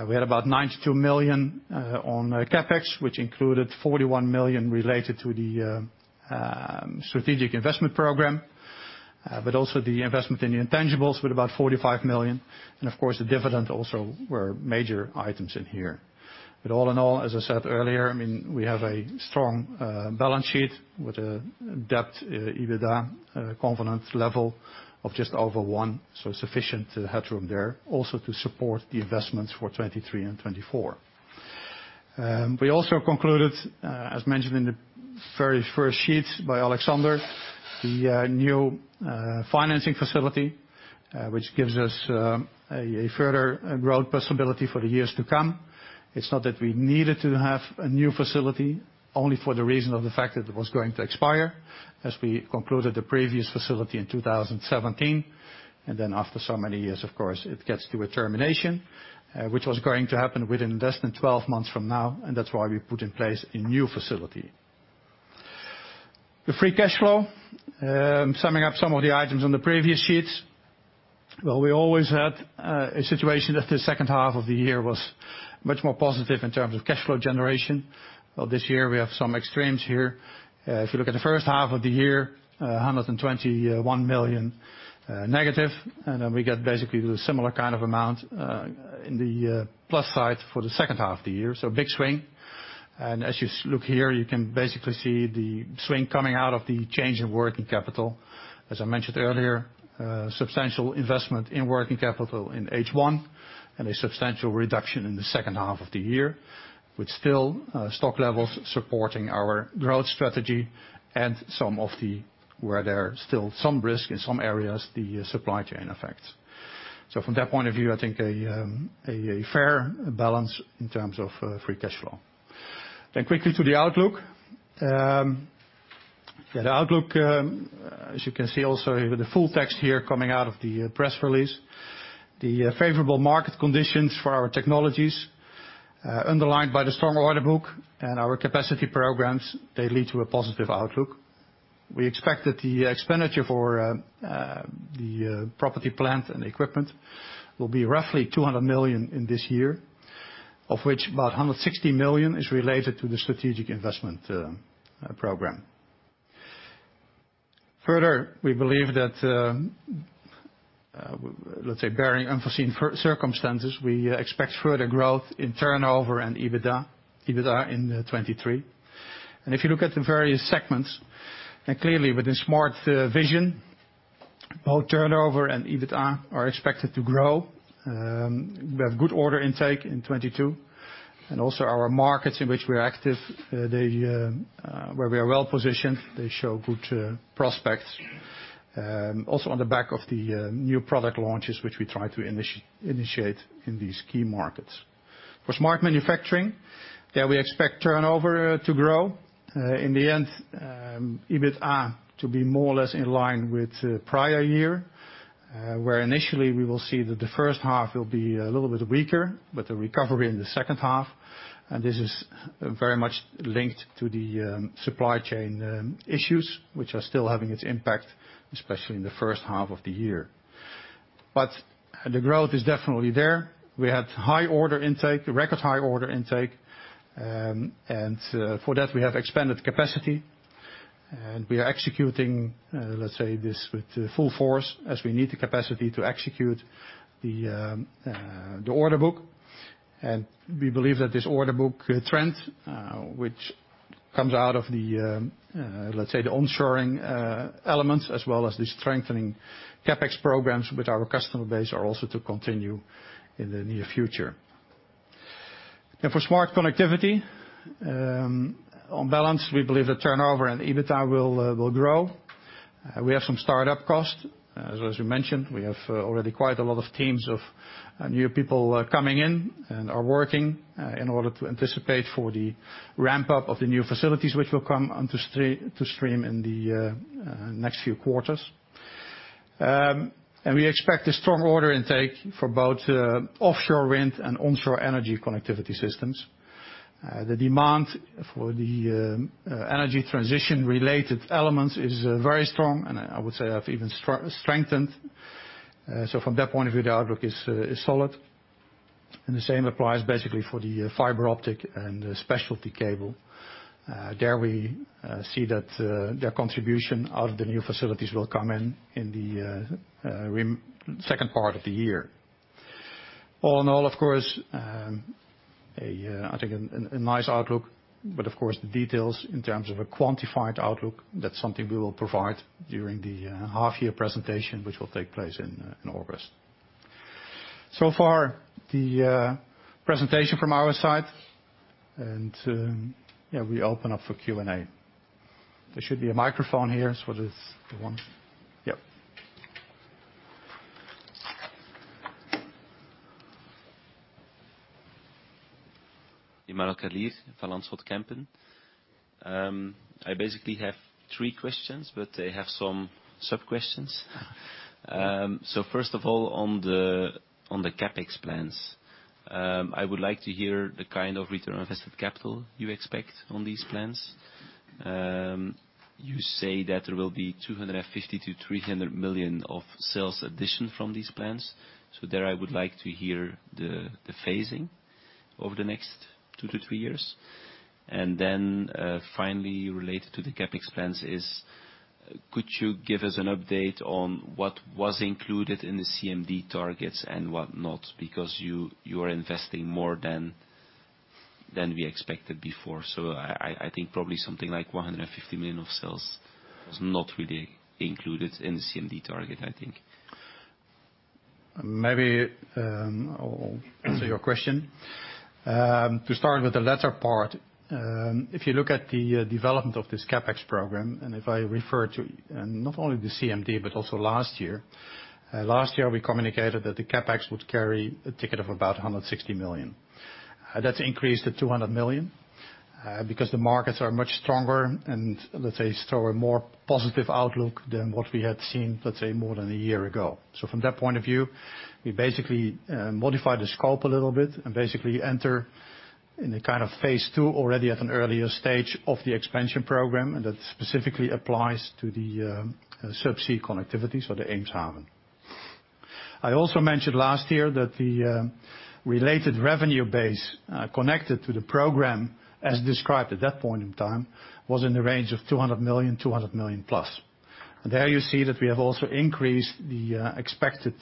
We had about 92 million on CapEx, which included 41 million related to the strategic investment program, but also the investment in the intangibles with about 45 million. Of course, the dividend also were major items in here. All in all, as I said earlier, I mean, we have a strong balance sheet with a debt EBITDA covenant level of just over one, so sufficient headroom there also to support the investments for 2023 and 2024. We also concluded, as mentioned in the very first sheet by Alexander, the new financing facility, which gives us a further growth possibility for the years to come. It's not that we needed to have a new facility only for the reason of the fact that it was going to expire as we concluded the previous facility in 2017. After so many years, of course, it gets to a termination, which was going to happen within less than 12 months from now, and that's why we put in place a new facility. The free cash flow, summing up some of the items on the previous sheets. Well, we always had a situation that the second half of the year was much more positive in terms of cash flow generation. Well, this year we have some extremes here. If you look at the first half of the year, 121 million negative, then we get basically the similar kind of amount in the plus side for the second half of the year. Big swing. As you look here, you can basically see the swing coming out of the change in working capital. As I mentioned earlier, substantial investment in working capital in H1 and a substantial reduction in the second half of the year, with still, stock levels supporting our growth strategy and some of the... where there are still some risk in some areas, the supply chain effects. From that point of view, I think a fair balance in terms of free cash flow. Quickly to the outlook. The outlook, as you can see also with the full text here coming out of the press release. The favorable market conditions for our technologies, underlined by the strong order book and our capacity programs, they lead to a positive outlook. We expect that the expenditure for the property, plant, and equipment will be roughly 200 million in this year, of which about 160 million is related to the strategic investment program. Further, we believe that, let's say barring unforeseen circumstances, we expect further growth in turnover and EBITDA in 2023. If you look at the various segments, then clearly with the Smart Vision, both turnover and EBITDA are expected to grow. We have good order intake in 2022. Also our markets in which we're active, they, where we are well positioned, they show good prospects. Also on the back of the new product launches, which we try to initiate in these key markets. For Smart Manufacturing, there we expect turnover to grow. In the end, EBITDA to be more or less in line with prior year, where initially we will see that the first half will be a little bit weaker, but a recovery in the second half. This is very much linked to the supply chain issues, which are still having its impact, especially in the first half of the year. The growth is definitely there. We had high order intake, record high order intake. For that we have expanded capacity. We are executing, let's say, this with full force as we need the capacity to execute the order book. We believe that this order book trend, which comes out of the, let's say, the onshoring elements, as well as the strengthening CapEx programs with our customer base are also to continue in the near future. For Smart Connectivity, on balance, we believe the turnover and EBITA will grow. We have some start-up costs, as we mentioned. We have already quite a lot of teams of new people coming in and are working in order to anticipate for the ramp-up of the new facilities which will come onto to stream in the next few quarters. We expect a strong order intake for both offshore wind and onshore energy connectivity systems. The demand for the energy transition related elements is very strong, and I would say have even strengthened. From that point of view, the outlook is solid. The same applies basically for the fibre optic and the specialty cable. There we see that their contribution out of the new facilities will come in in the second part of the year. All in all of course, I think a nice outlook, but of course the details in terms of a quantified outlook, that's something we will provide during the half year presentation, which will take place in August. So far, the presentation from our side, and, yeah, we open up for Q&A. There should be a microphone here. It's the one. Yep. Emmanuel Carlier from Van Lanschot Kempen. I basically have three questions, but they have some sub-questions. First of all, on the CapEx plans, I would like to hear the kind of return on invested capital you expect on these plans. You say that there will be 250 million-300 million of sales addition from these plans. There I would like to hear the phasing over the next two to three years. Finally related to the CapEx plans is could you give us an update on what was included in the CMD targets and what not? You are investing more than we expected before. I think probably something like 150 million of sales was not really included in the CMD target, I think. Maybe, I'll answer your question. To start with the latter part, if you look at the development of this CapEx program, and if I refer to, and not only the CMD, but also last year, we communicated that the CapEx would carry a ticket of about 160 million. That's increased to 200 million because the markets are much stronger and let's say, show a more positive outlook than what we had seen, let's say, more than a year ago. From that point of view, we basically modified the scope a little bit and basically enter in a kind of phase two already at an earlier stage of the expansion program, and that specifically applies to the subsea connectivity, so the Eemshaven. I also mentioned last year that the related revenue base, connected to the program, as described at that point in time, was in the range of 200 million, 200 million-plus. You see that we have also increased the expected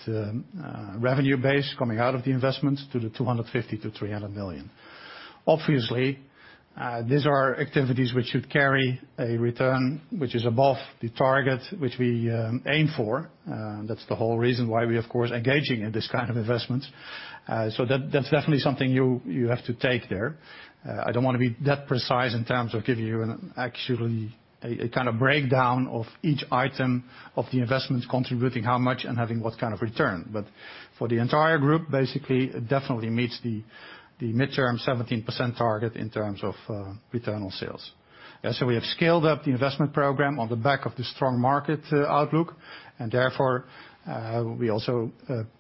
revenue base coming out of the investments to the 250 million-300 million. Obviously, these are activities which should carry a return which is above the target which we aim for. That's the whole reason why we, of course, are engaging in this kind of investment. That, that's definitely something you have to take there. I don't wanna be that precise in terms of giving you an actually a kind of breakdown of each item of the investment contributing how much and having what kind of return. For the entire group, basically, it definitely meets the midterm 17% target in terms of return on sales. We have scaled up the investment program on the back of the strong market outlook, and therefore, we also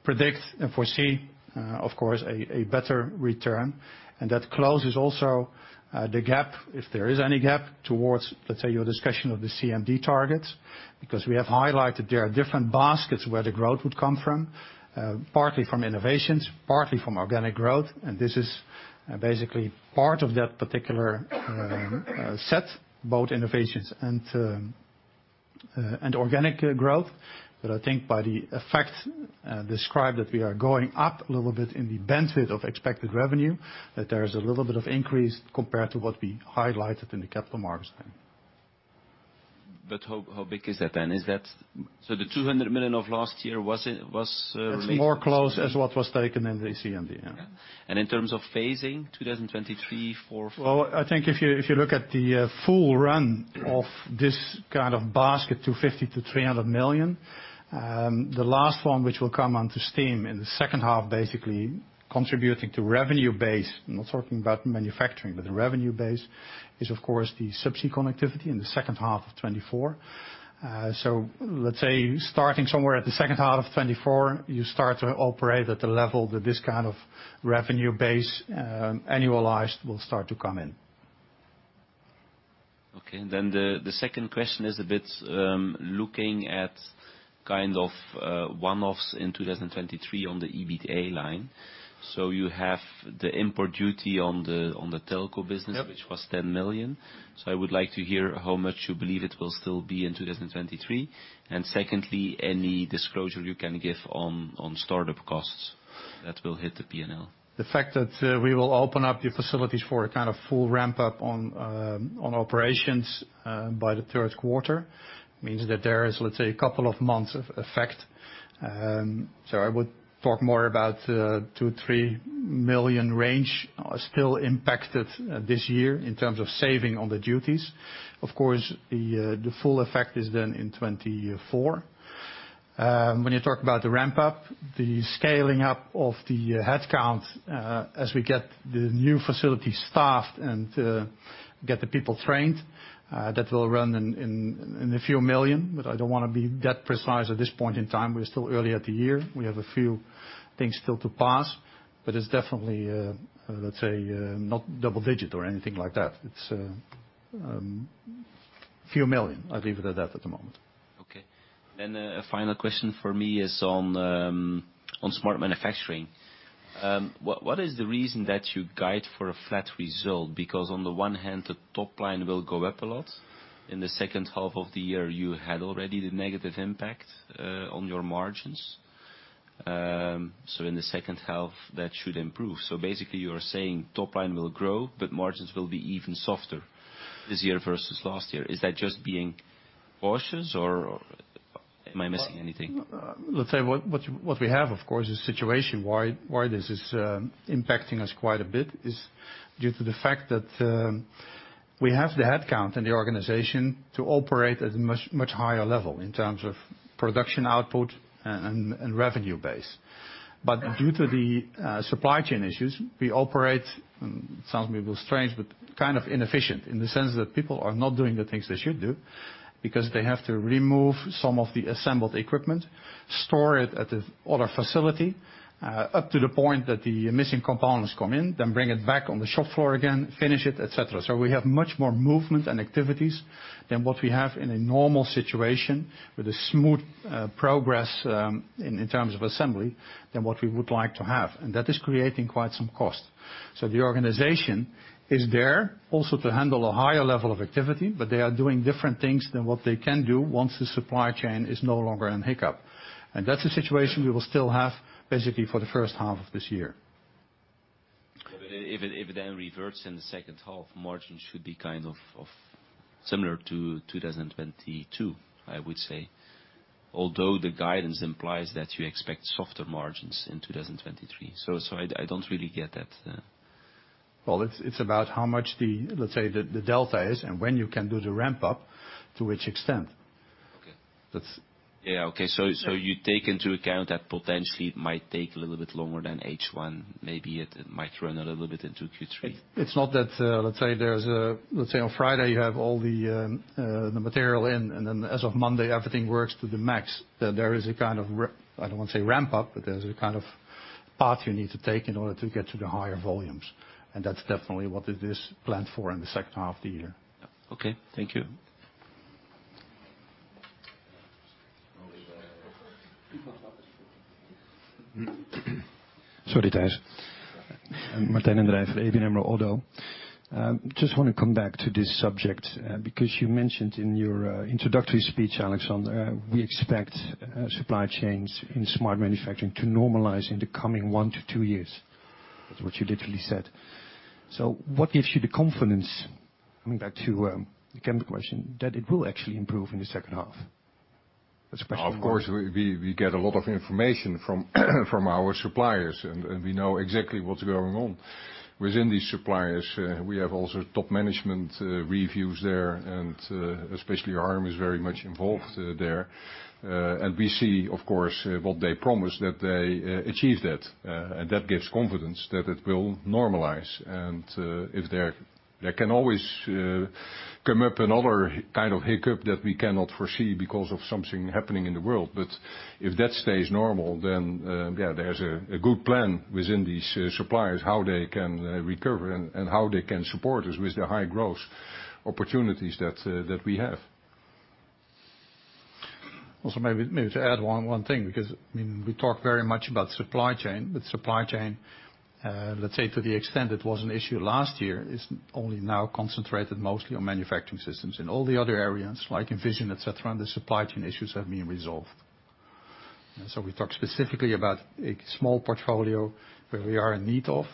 predict and foresee, of course, a better return. That closes also the gap, if there is any gap, towards, let's say, your discussion of the CMD targets, because we have highlighted there are different baskets where the growth would come from, partly from innovations, partly from organic growth, and this is basically part of that particular set, both innovations and organic growth. I think by the effect described that we are going up a little bit in the benefit of expected revenue, that there is a little bit of increase compared to what we highlighted in the capital markets then. How big is that then? The 200 million of last year was remaining. It's more close as what was taken in the CMD, yeah. Okay. In terms of phasing, 2023. Well, I think if you, if you look at the full run of this kind of basket, 250 million-300 million, the last one which will come onto steam in the second half basically contributing to revenue base, I'm not talking about manufacturing, but the revenue base is of course the subsea connectivity in the second half of 2024. So let's say starting somewhere at the second half of 2024, you start to operate at the level that this kind of revenue base, annualized will start to come in. Okay. The second question is a bit looking kind of one-offs in 2023 on the EBITA line. You have the import duty on the telco business which was 10 million. I would like to hear how much you believe it will still be in 2023. Secondly, any disclosure you can give on startup costs that will hit the P&L. The fact that we will open up the facilities for a kind of full ramp up on operations, by the third quarter means that there is, let's say, a couple of months of effect. I would talk more about 2 million-3 million range are still impacted this year in terms of saving on the duties. Of course, the full effect is then in 2024. When you talk about the ramp up, the scaling up of the headcount, as we get the new facility staffed and get the people trained, that will run in a few million, but I don't wanna be that precise at this point in time. We're still early at the year. We have a few things still to pass, it's definitely, let's say, not double-digit or anything like that. It's few million. I'll leave it at that at the moment. Okay. A final question for me is on on Smart Manufacturing. What is the reason that you guide for a flat result? On the one hand, the top line will go up a lot. In the second half of the year, you had already the negative impact on your margins. In the second half, that should improve. Basically, you're saying top line will grow, but margins will be even softer this year versus last year. Is that just being cautious, or am I missing anything? Well, let's say what we have, of course, a situation why this is impacting us quite a bit is due to the fact that we have the headcount in the organization to operate at a much, much higher level in terms of production output and revenue base. Due to the supply chain issues, we operate, sounds maybe strange, but kind of inefficient in the sense that people are not doing the things they should do because they have to remove some of the assembled equipment, store it at the other facility, up to the point that the missing components come in, then bring it back on the shop floor again, finish it, et cetera. We have much more movement and activities than what we have in a normal situation with a smooth progress in terms of assembly than what we would like to have. That is creating quite some cost. The organization is there also to handle a higher level of activity, but they are doing different things than what they can do once the supply chain is no longer in hiccup. That's a situation we will still have basically for the first half of this year. If it then reverts in the second half, margins should be kind of similar to 2022, I would say. Although the guidance implies that you expect softer margins in 2023. I don't really get that. Well, it's about how much the, let's say, the delta is and when you can do the ramp up to which extent. You take into account that potentially it might take a little bit longer than H1, maybe it might run a little bit into Q3? It's not that, let's say there's a, let's say on Friday you have all the material in, and then as of Monday, everything works to the max. There is a kind of I don't wanna say ramp up, but there's a kind of path you need to take in order to get to the higher volumes. That's definitely what it is planned for in the second half of the year. Okay. Thank you. Sorry, Tijs. Martijn den Drijver from ABN AMRO. Just wanna come back to this subject, because you mentioned in your introductory speech, Alexander, "We expect supply chains in Smart Manufacturing to normalize in the coming one to two years." That's what you literally said. What gives you the confidence, coming back to the chemical question, that it will actually improve in the second half? That's question one. Of course, we get a lot of information from our suppliers, and we know exactly what's going on within these suppliers. We have also top management reviews there, and especially Harm is very much involved there. We see, of course, what they promise that they achieve that. That gives confidence that it will normalize. If there can always come up another kind of hiccup that we cannot foresee because of something happening in the world. If that stays normal, then, yeah, there's a good plan within these suppliers, how they can recover and how they can support us with the high growth opportunities that we have. Also, maybe to add one thing, because, I mean, we talk very much about supply chain, but supply chain, let's say to the extent it was an issue last year, is only now concentrated mostly on manufacturing systems. In all the other areas, like in Smart Vision, et cetera, the supply chain issues have been resolved. We talk specifically about a small portfolio where we are in need of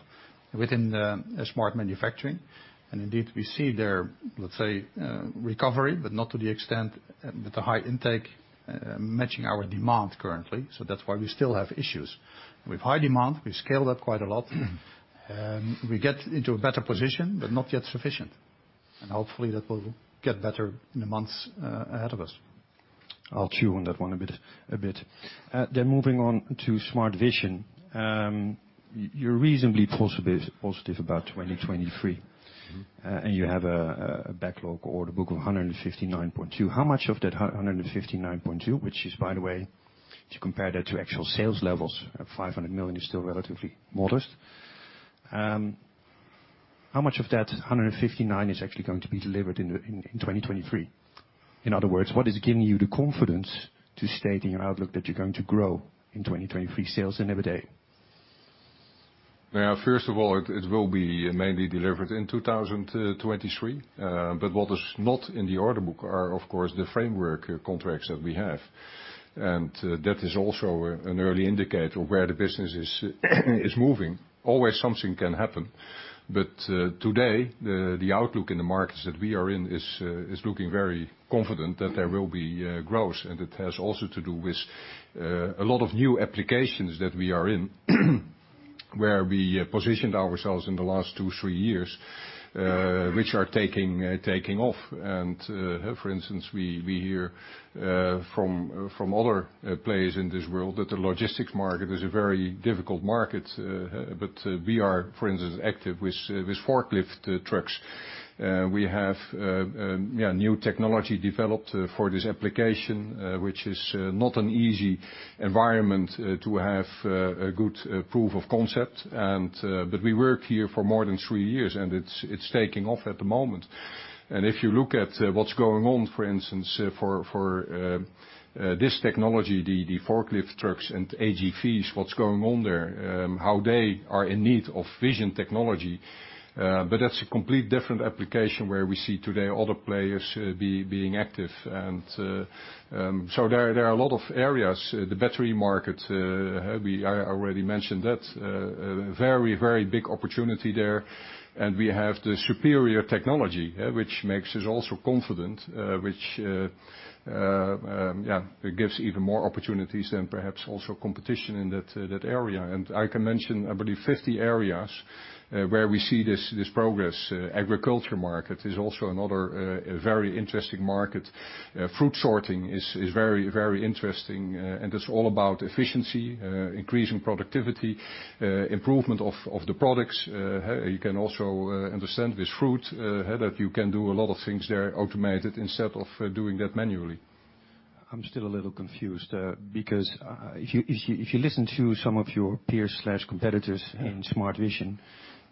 within the Smart Manufacturing. Indeed, we see their, let's say, recovery, but not to the extent with the high intake, matching our demand currently. That's why we still have issues. With high demand, we scale that quite a lot. We get into a better position, but not yet sufficient. Hopefully that will get better in the months ahead of us. I'll chew on that one a bit. Moving on to Smart Vision. You're reasonably positive about 2023. You have a backlog or the book of 159.2. How much of that 159.2, which is, by the way, to compare that to actual sales levels of 500 million, is still relatively modest? How much of that 159 is actually going to be delivered in 2023? In other words, what is giving you the confidence to state in your outlook that you're going to grow in 2023 sales in EBITDA? Yeah. First of all, it will be mainly delivered in 2023. What is not in the order book are of course the framework contracts that we have. That is also an early indicator of where the business is moving. Always something can happen. Today, the outlook in the markets that we are in is looking very confident that there will be growth. It has also to do with a lot of new applications that we are in, where we positioned ourselves in the last two, three years, which are taking off. For instance, we hear from other players in this world that the logistics market is a very difficult market. We are, for instance, active with forklift trucks. We have, yeah, new technology developed for this application, which is not an easy environment to have a good proof of concept. But we work here for more than three years, and it's taking off at the moment. If you look at what's going on, for instance, for this technology, the forklift trucks and AGVs, what's going on there, how they are in need of vision technology. But that's a complete different application where we see today other players being active. So there are a lot of areas. The battery market, I already mentioned that. Very, very big opportunity there. We have the superior technology, which makes us also confident, which, yeah, it gives even more opportunities than perhaps also competition in that area. I can mention, I believe 50 areas, where we see this progress. Agriculture market is also another very interesting market. Fruit sorting is very, very interesting, and it's all about efficiency, increasing productivity, improvement of the products. You can also understand with fruit, that you can do a lot of things there automated instead of doing that manually. I'm still a little confused, because, if you listen to some of your peers/competitors in Smart Vision,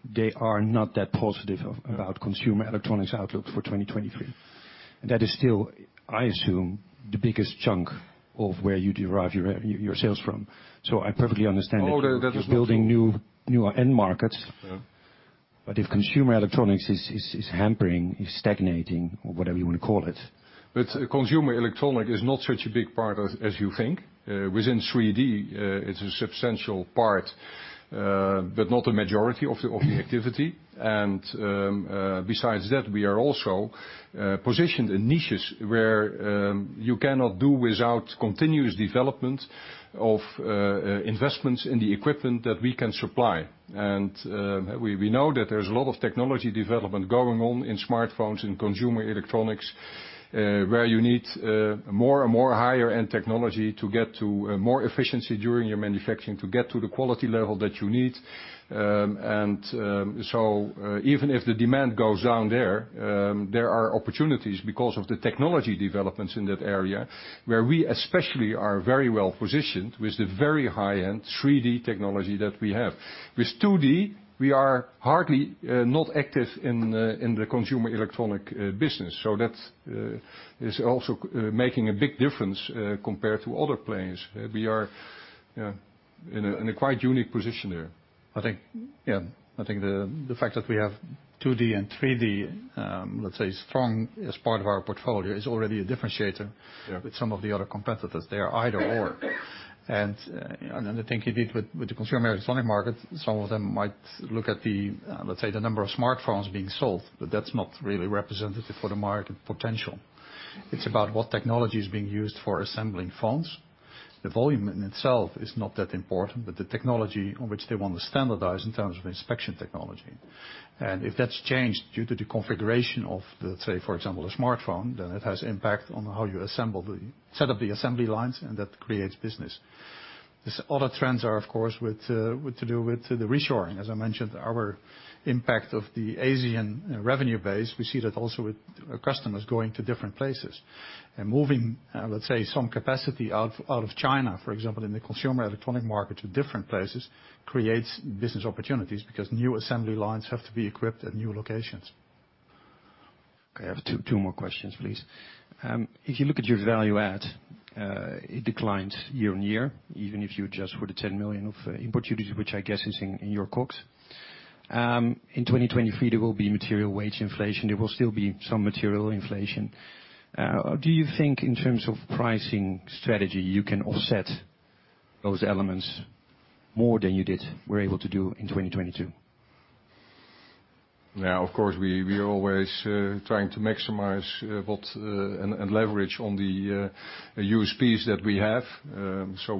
they are not that positive about consumer electronics outlook for 2023. That is still, I assume, the biggest chunk of where you derive your sales from. So I perfectly understand if you're- Oh, that is not so. Just building new end markets. Yeah. If consumer electronics is hampering, is stagnating or whatever you want to call it. Consumer electronic is not such a big part as you think. Within 3D, it's a substantial part, but not a majority of the, of the activity. Besides that, we are also positioned in niches where you cannot do without continuous development of investments in the equipment that we can supply. We know that there's a lot of technology development going on in smartphones and consumer electronics, where you need more and more higher-end technology to get to more efficiency during your manufacturing to get to the quality level that you need. Even if the demand goes down there are opportunities because of the technology developments in that area where we especially are very well positioned with the very high-end 3D technology that we have. With 2D, we are hardly not active in the consumer electronic business. That is also making a big difference compared to other players. We are in a quite unique position there. I think, yeah, I think the fact that we have 2D and 3D, let's say, strong as part of our portfolio is already a differentiator- Yeah. With some of the other competitors. They are either or. Another thing you did with the consumer electronic market, some of them might look at the, let's say, the number of smartphones being sold, but that's not really representative for the market potential. It's about what technology is being used for assembling phones. The volume in itself is not that important, but the technology on which they want to standardize in terms of inspection technology. If that's changed due to the configuration of, let's say, for example, a smartphone, then it has impact on how you assemble, set up the assembly lines, and that creates business. These other trends are of course, with to do with the reshoring. As I mentioned, our impact of the Asian revenue base, we see that also with customers going to different places. Moving, let's say, some capacity out of China, for example, in the consumer electronic market to different places, creates business opportunities because new assembly lines have to be equipped at new locations. Okay, I have two more questions, please. If you look at your value add, it declines year-on-year, even if you adjust for the 10 million of input duties, which I guess is in your costs. In 2023, there will be material wage inflation. There will still be some material inflation. Do you think in terms of pricing strategy, you can offset those elements more than you were able to do in 2022? Of course, we are always trying to maximize what and leverage on the USPs that we have.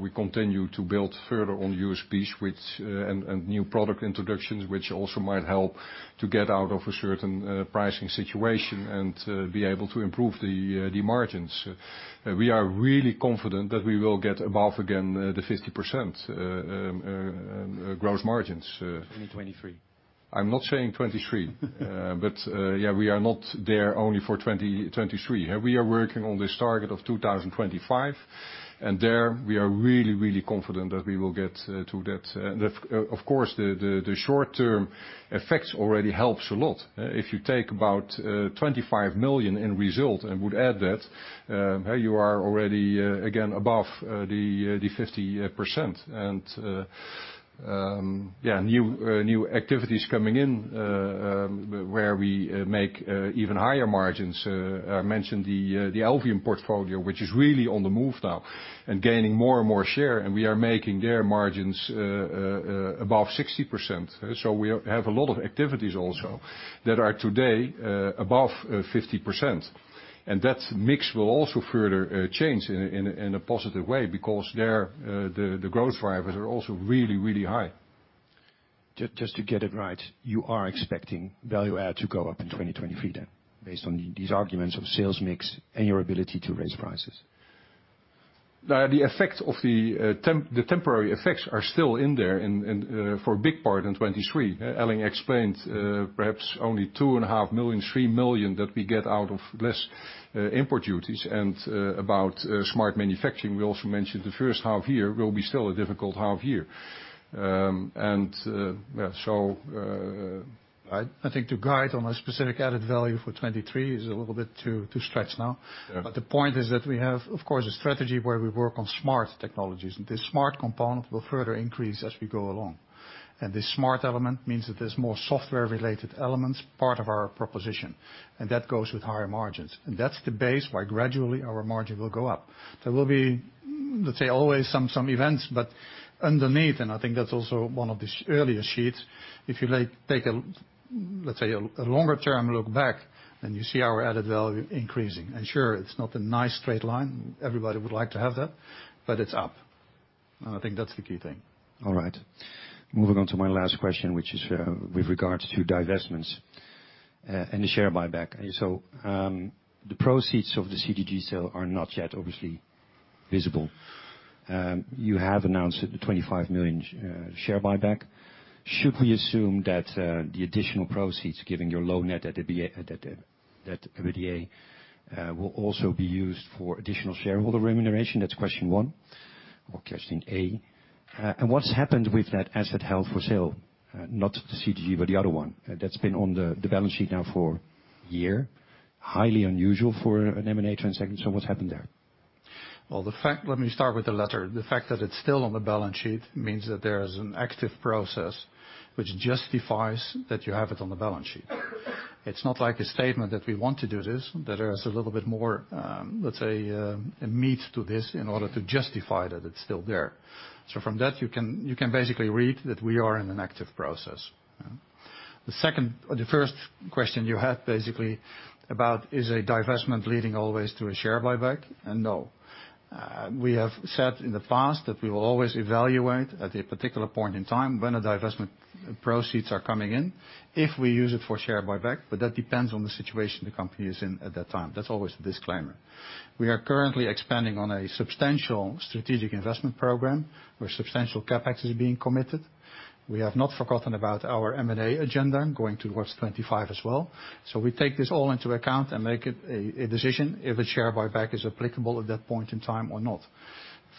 We continue to build further on USPs, which and new product introductions, which also might help to get out of a certain pricing situation and be able to improve the margins. We are really confident that we will get above again the 50% gross margins. 2023? I'm not saying 2023. Yeah, we are not there only for 2023. We are working on this target of 2025, and there we are really, really confident that we will get to that. Of course, the short-term effects already helps a lot. If you take about 25 million in result and would add that, you are already again above the 50%. Yeah, new activities coming in where we make even higher margins. I mentioned the Indivion portfolio, which is really on the move now and gaining more and more share, and we are making their margins above 60%. We have a lot of activities also that are today above 50%. That mix will also further change in a positive way because their, the growth drivers are also really high. Just to get it right, you are expecting value add to go up in 2023 then based on these arguments of sales mix and your ability to raise prices? The effect of the temporary effects are still in there and for a big part in 2023. Elling explained, perhaps only 2.5 million, 3 million that we get out of less import duties. About Smart Manufacturing, we also mentioned the first half year will be still a difficult half year. I think to guide on a specific added value for 2023 is a little bit too stretched now. The point is that we have, of course, a strategy where we work on smart technologies, and this smart component will further increase as we go along. The smart element means that there's more software-related elements part of our proposition, and that goes with higher margins. That's the base why gradually our margin will go up. There will be, let's say, always some events, but underneath, and I think that's also one of the earlier sheets, if you like take a, let's say, a longer-term look back, then you see our added value increasing. Sure, it's not a nice straight line. Everybody would like to have that, but it's up. I think that's the key thing. All right. Moving on to my last question, which is with regards to divestments and the share buyback. The proceeds of the CCG sale are not yet obviously visible. You have announced the 25 million share buyback. Should we assume that the additional proceeds, given your low net debt EBITDA, will also be used for additional shareholder remuneration? That's question one or question A. What's happened with that asset held for sale? Not the CCG, but the other one that's been on the balance sheet now for a year. Highly unusual for an M&A transaction. What's happened there? Well, let me start with the latter. The fact that it's still on the balance sheet means that there is an active process which justifies that you have it on the balance sheet. It's not like a statement that we want to do this. There is a little bit more, let's say, meat to this in order to justify that it's still there. From that, you can basically read that we are in an active process. The second or the first question you had basically about is a divestment leading always to a share buyback. No. We have said in the past that we will always evaluate at a particular point in time when a divestment proceeds are coming in, if we use it for share buyback, but that depends on the situation the company is in at that time. That's always the disclaimer. We are currently expanding on a substantial strategic investment program where substantial CapEx is being committed. We have not forgotten about our M&A agenda going towards 2025 as well. We take this all into account and make it a decision if a share buyback is applicable at that point in time or not.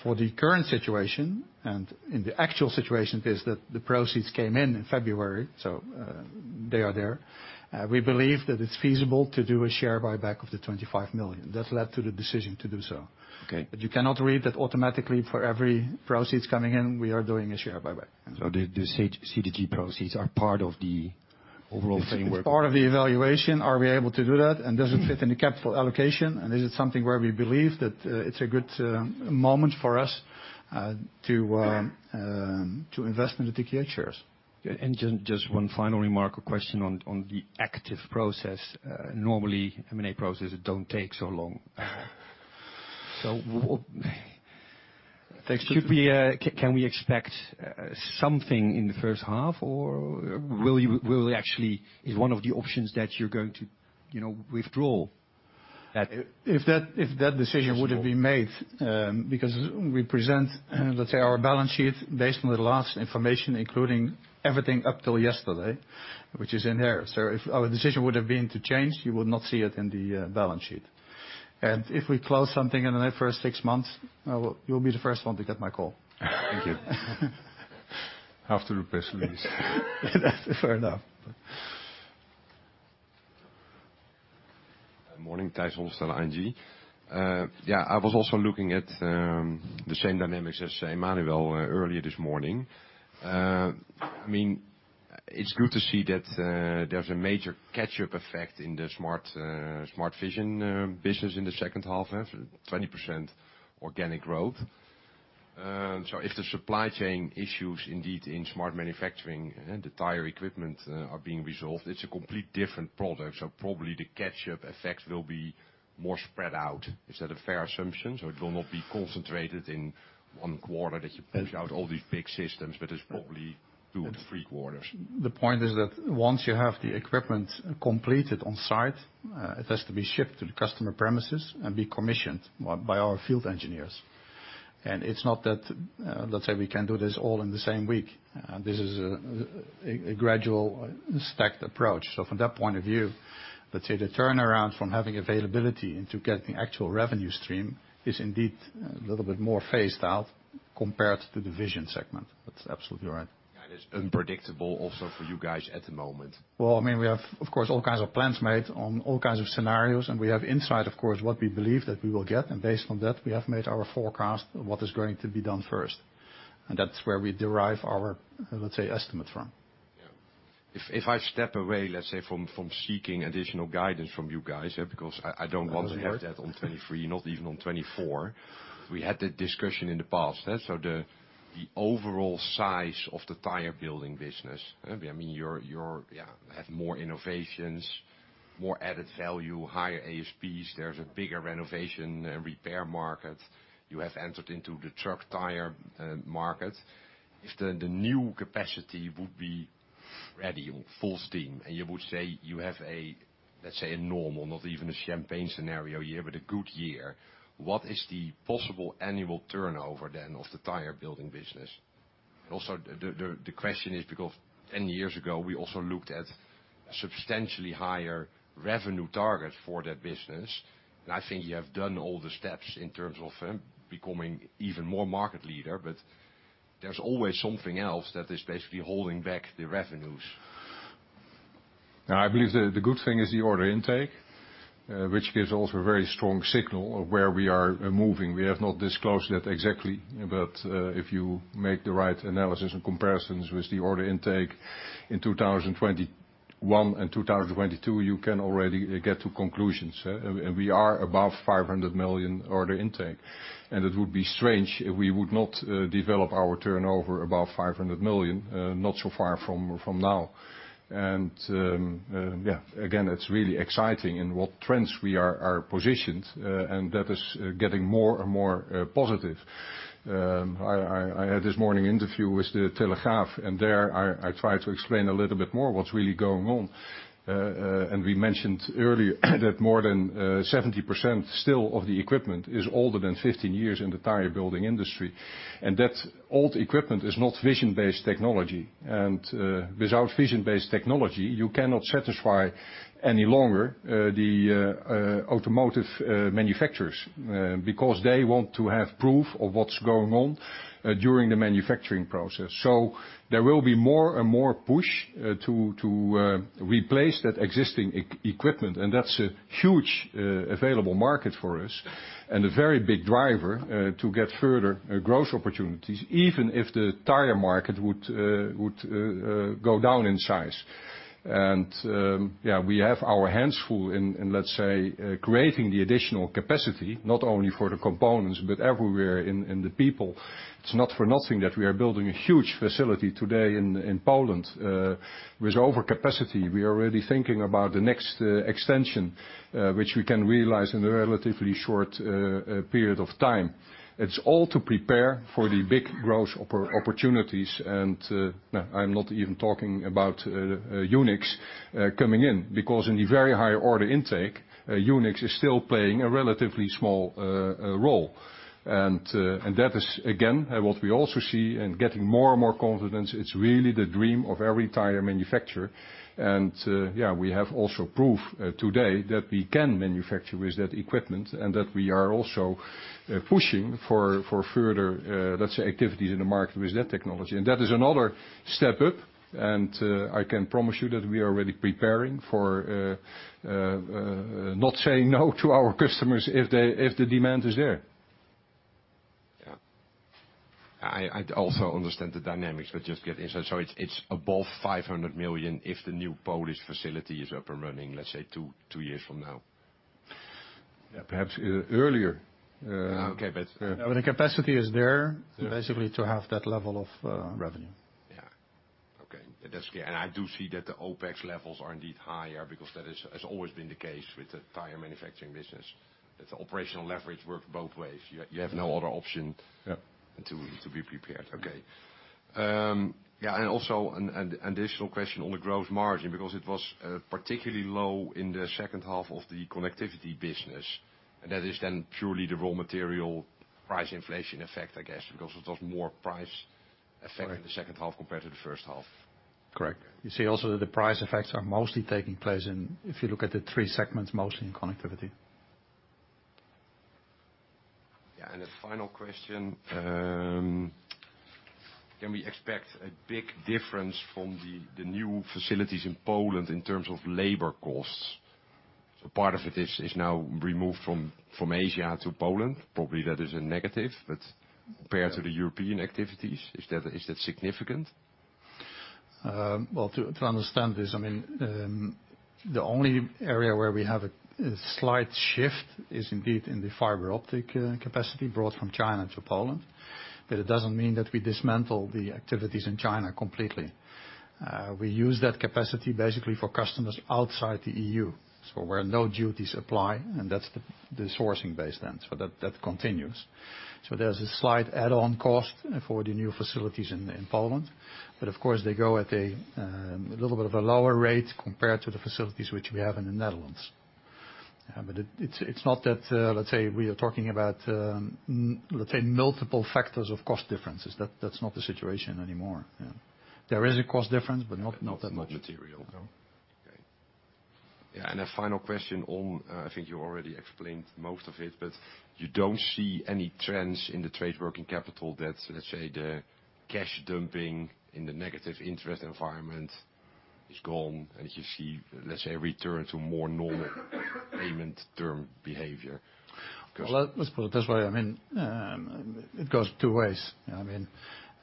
For the current situation, and in the actual situation is that the proceeds came in in February, so they are there. We believe that it's feasible to do a share buyback of the 25 million. That led to the decision to do so. Okay. You cannot read that automatically for every proceeds coming in, we are doing a share buyback. The CCG proceeds are part of the overall framework. It's part of the evaluation. Are we able to do that? Does it fit in the capital allocation? Is it something where we believe that, it's a good moment for us to invest in the TKH shares. Just one final remark or question on the active process. Normally, M&A processes don't take so long. Should we, can we expect something in the first half or will you actually? Is one of the options that you're going to, you know, withdraw that? If that decision would have been made, because we present, let's say, our balance sheet based on the last information, including everything up till yesterday, which is in there. If our decision would have been to change, you would not see it in the balance sheet. If we close something in the first six months, you'll be the first one to get my call. Thank you. After the press release. Fair enough. Morning. Tijs Hollestelle, ING. I was also looking at the same dynamics as Emmanuel earlier this morning. I mean, it's good to see that there's a major catch-up effect in the Smart Vision business in the second half, 20% organic growth. If the supply chain issues indeed in Smart Manufacturing and the tire equipment are being resolved, it's a complete different product, so probably the catch-up effect will be more spread out. Is that a fair assumption? It will not be concentrated in one quarter that you push out all these big systems, but it's probably two or three quarters. The point is that once you have the equipment completed on-site, it has to be shipped to the customer premises and be commissioned by our field engineers. It's not that, let's say, we can't do this all in the same week. This is a gradual stacked approach. From that point of view, lets say the turnaround from having availability and to get the actual revenue stream is indeed a little bit more phased out compared to the Vision segment. That's absolutely right. It is unpredictable also for you guys at the moment. Well, I mean, we have, of course, all kinds of plans made on all kinds of scenarios, and we have insight, of course, what we believe that we will get, and based on that, we have made our forecast of what is going to be done first. That's where we derive our, let's say, estimate from. Yeah. If I step away, let's say, from seeking additional guidance from you guys, yeah, because I don't want to have that on 2023, not even on 2024. We had a discussion in the past, yeah? The overall size of the tire-building business, I mean, you're, yeah, have more innovations, more added value, higher ASPs, there's a bigger renovation and repair market. You have entered into the truck tire market. If the new capacity would be ready on full steam, and you would say you have a, let's say, a normal, not even a champagne scenario year, but a good year, what is the possible annual turnover then of the tire-building business? Also, the question is because 10 years ago, we also looked at a substantially higher revenue target for that business. I think you have done all the steps in terms of becoming even more market leader, but there's always something else that is basically holding back the revenues. Now, I believe the good thing is the order intake, which gives also a very strong signal of where we are moving. We have not disclosed yet exactly, but if you make the right analysis and comparisons with the order intake in 2021 and 2022, you can already get to conclusions, yeah? We are above 500 million order intake. It would be strange if we would not develop our turnover above 500 million, not so far from now. Yeah, again, it's really exciting in what trends we are positioned, and that is getting more and more positive. I had this morning interview with De Telegraaf, and there I tried to explain a little bit more what's really going on. We mentioned earlier that more than 70% still of the equipment is older than 15 years in the tire building industry. That old equipment is not vision-based technology. Without vision-based technology, you cannot satisfy any longer the automotive manufacturers because they want to have proof of what's going on during the manufacturing process. There will be more and more push to replace that existing equipment, and that's a huge available market for us and a very big driver to get further growth opportunities, even if the tire market would go down in size. Yeah, we have our hands full in, let's say, creating the additional capacity, not only for the components, but everywhere in the people. It's not for nothing that we are building a huge facility today in Poland with overcapacity. We are already thinking about the next extension which we can realize in a relatively short period of time. It's all to prepare for the big growth opportunities. I'm not even talking about UNIXX coming in, because in the very high order intake UNIXX is still playing a relatively small role. That is again, what we also see and getting more and more confidence, it's really the dream of every tire manufacturer. Yeah, we have also proof today that we can manufacture with that equipment and that we are also pushing for further, let's say, activities in the market with that technology. That is another step up. I can promise you that we are already preparing for not saying no to our customers if the demand is there. Yeah. I also understand the dynamics, but just get insight. It's above 500 million if the new Polish facility is up and running, let's say two years from now. Yeah. Perhaps earlier. Okay. The capacity is there basically to have that level of revenue. Yeah. Okay. That's clear. I do see that the OpEx levels are indeed higher because has always been the case with the tire manufacturing business. It's operational leverage work both ways. You have no other option. Yeah. To be prepared. Okay. Yeah, also an additional question on the gross margin, because it was particularly low in the second half of the connectivity business. That is then purely the raw material price inflation effect, I guess, because it was more price effect in the second half compared to the first half. Correct. You see also the price effects are mostly taking place in, if you look at the three segments, mostly in Smart Connectivity. Yeah. The final question, can we expect a big difference from the new facilities in Poland in terms of labor costs? Part of it is now removed from Asia to Poland. Probably that is a negative, but compared to the European activities, is that, is that significant? Well, to understand this, the only area where we have a slight shift is indeed in the fiber optic capacity brought from China to Poland. It doesn't mean that we dismantle the activities in China completely. We use that capacity basically for customers outside the EU, so where no duties apply, and that's the sourcing base then. That continues. There's a slight add-on cost for the new facilities in Poland. Of course, they go at a little bit of a lower rate compared to the facilities which we have in the Netherlands. It's not that we are talking about multiple factors of cost differences. That's not the situation anymore. There is a cost difference, but not that much. Not material, no? Okay. A final question on, I think you already explained most of it, but you don't see any trends in the trade working capital that, let's say, the cash dumping in the negative interest environment is gone, and if you see, let's say, a return to more normal payment term behavior? Well, let's put it this way. I mean, it goes two ways. I mean,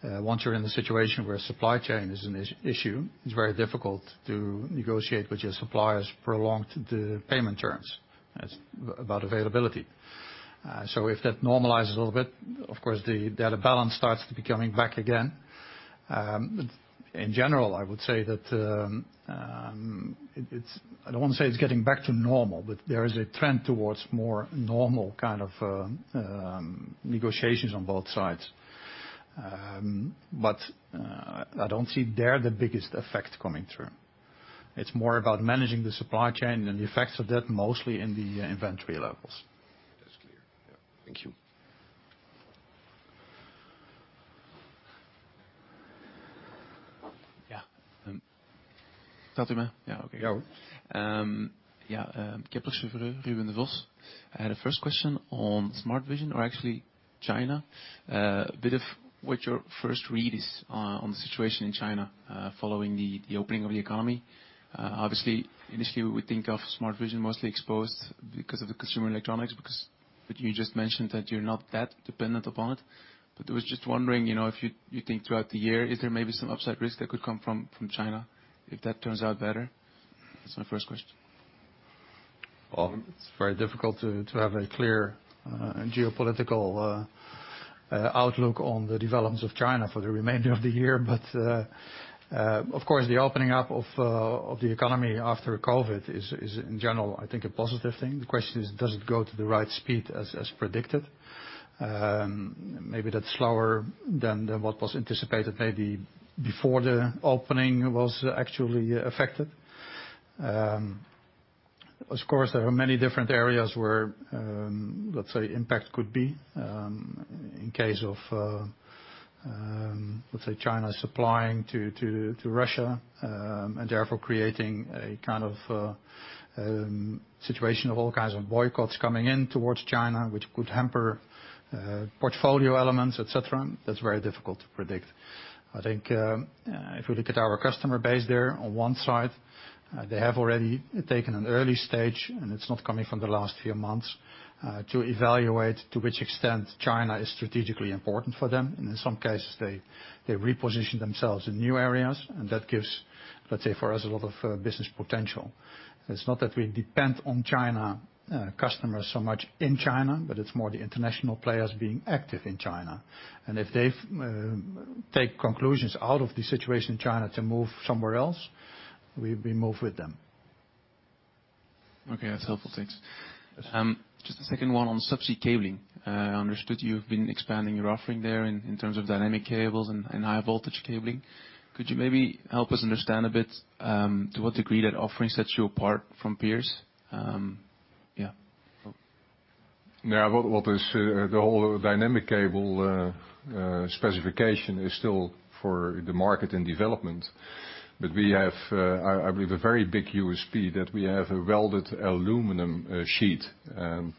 once you're in a situation where supply chain is an issue, it's very difficult to negotiate with your suppliers prolonged payment terms. It's about availability. If that normalizes a little bit, of course, the balance starts to be coming back again. In general, I would say that I don't want to say it's getting back to normal, but there is a trend towards more normal kind of negotiations on both sides. I don't see there the biggest effect coming through. It's more about managing the supply chain and the effects of that mostly in the inventory levels. That's clear. Yeah. Thank you. Yeah. Yeah, okay. Kepler Cheuvreux, Ruben Devos. I had a first question on Smart Vision or actually China, a bit of what your first read is on the situation in China, following the opening of the economy. Obviously, initially, we would think of Smart Vision mostly exposed because of the consumer electronics. You just mentioned that you're not that dependent upon it. I was just wondering, you know, if you think throughout the year, is there maybe some upside risk that could come from China if that turns out better? That's my first question. Well, it's very difficult to have a clear, geopolitical outlook on the developments of China for the remainder of the year. Of course, the opening up of the economy after COVID is in general, I think, a positive thing. The question is, does it go to the right speed as predicted? Maybe that's slower than what was anticipated maybe before the opening was actually affected. Of course, there are many different areas where, let's say, impact could be, in case of, let's say China supplying to Russia, and therefore creating a kind of, situation of all kinds of boycotts coming in towards China, which could hamper, portfolio elements, et cetera. That's very difficult to predict. I think, if you look at our customer base there, on one side, they have already taken an early stage, and it's not coming from the last few months, to evaluate to which extent China is strategically important for them. In some cases, they reposition themselves in new areas, and that gives, let's say, for us, a lot of business potential. It's not that we depend on China, customers so much in China, but it's more the international players being active in China. If they've, take conclusions out of the situation in China to move somewhere else, we move with them. Okay, that's helpful. Thanks. Just a second one on subsea cabling. I understood you've been expanding your offering there in terms of dynamic cables and high voltage cabling. Could you maybe help us understand a bit to what degree that offering sets you apart from peers? Yeah. Well, well, this, the whole dynamic cable specification is still for the market and development. We have, I believe, a very big USP that we have a welded aluminum sheet, and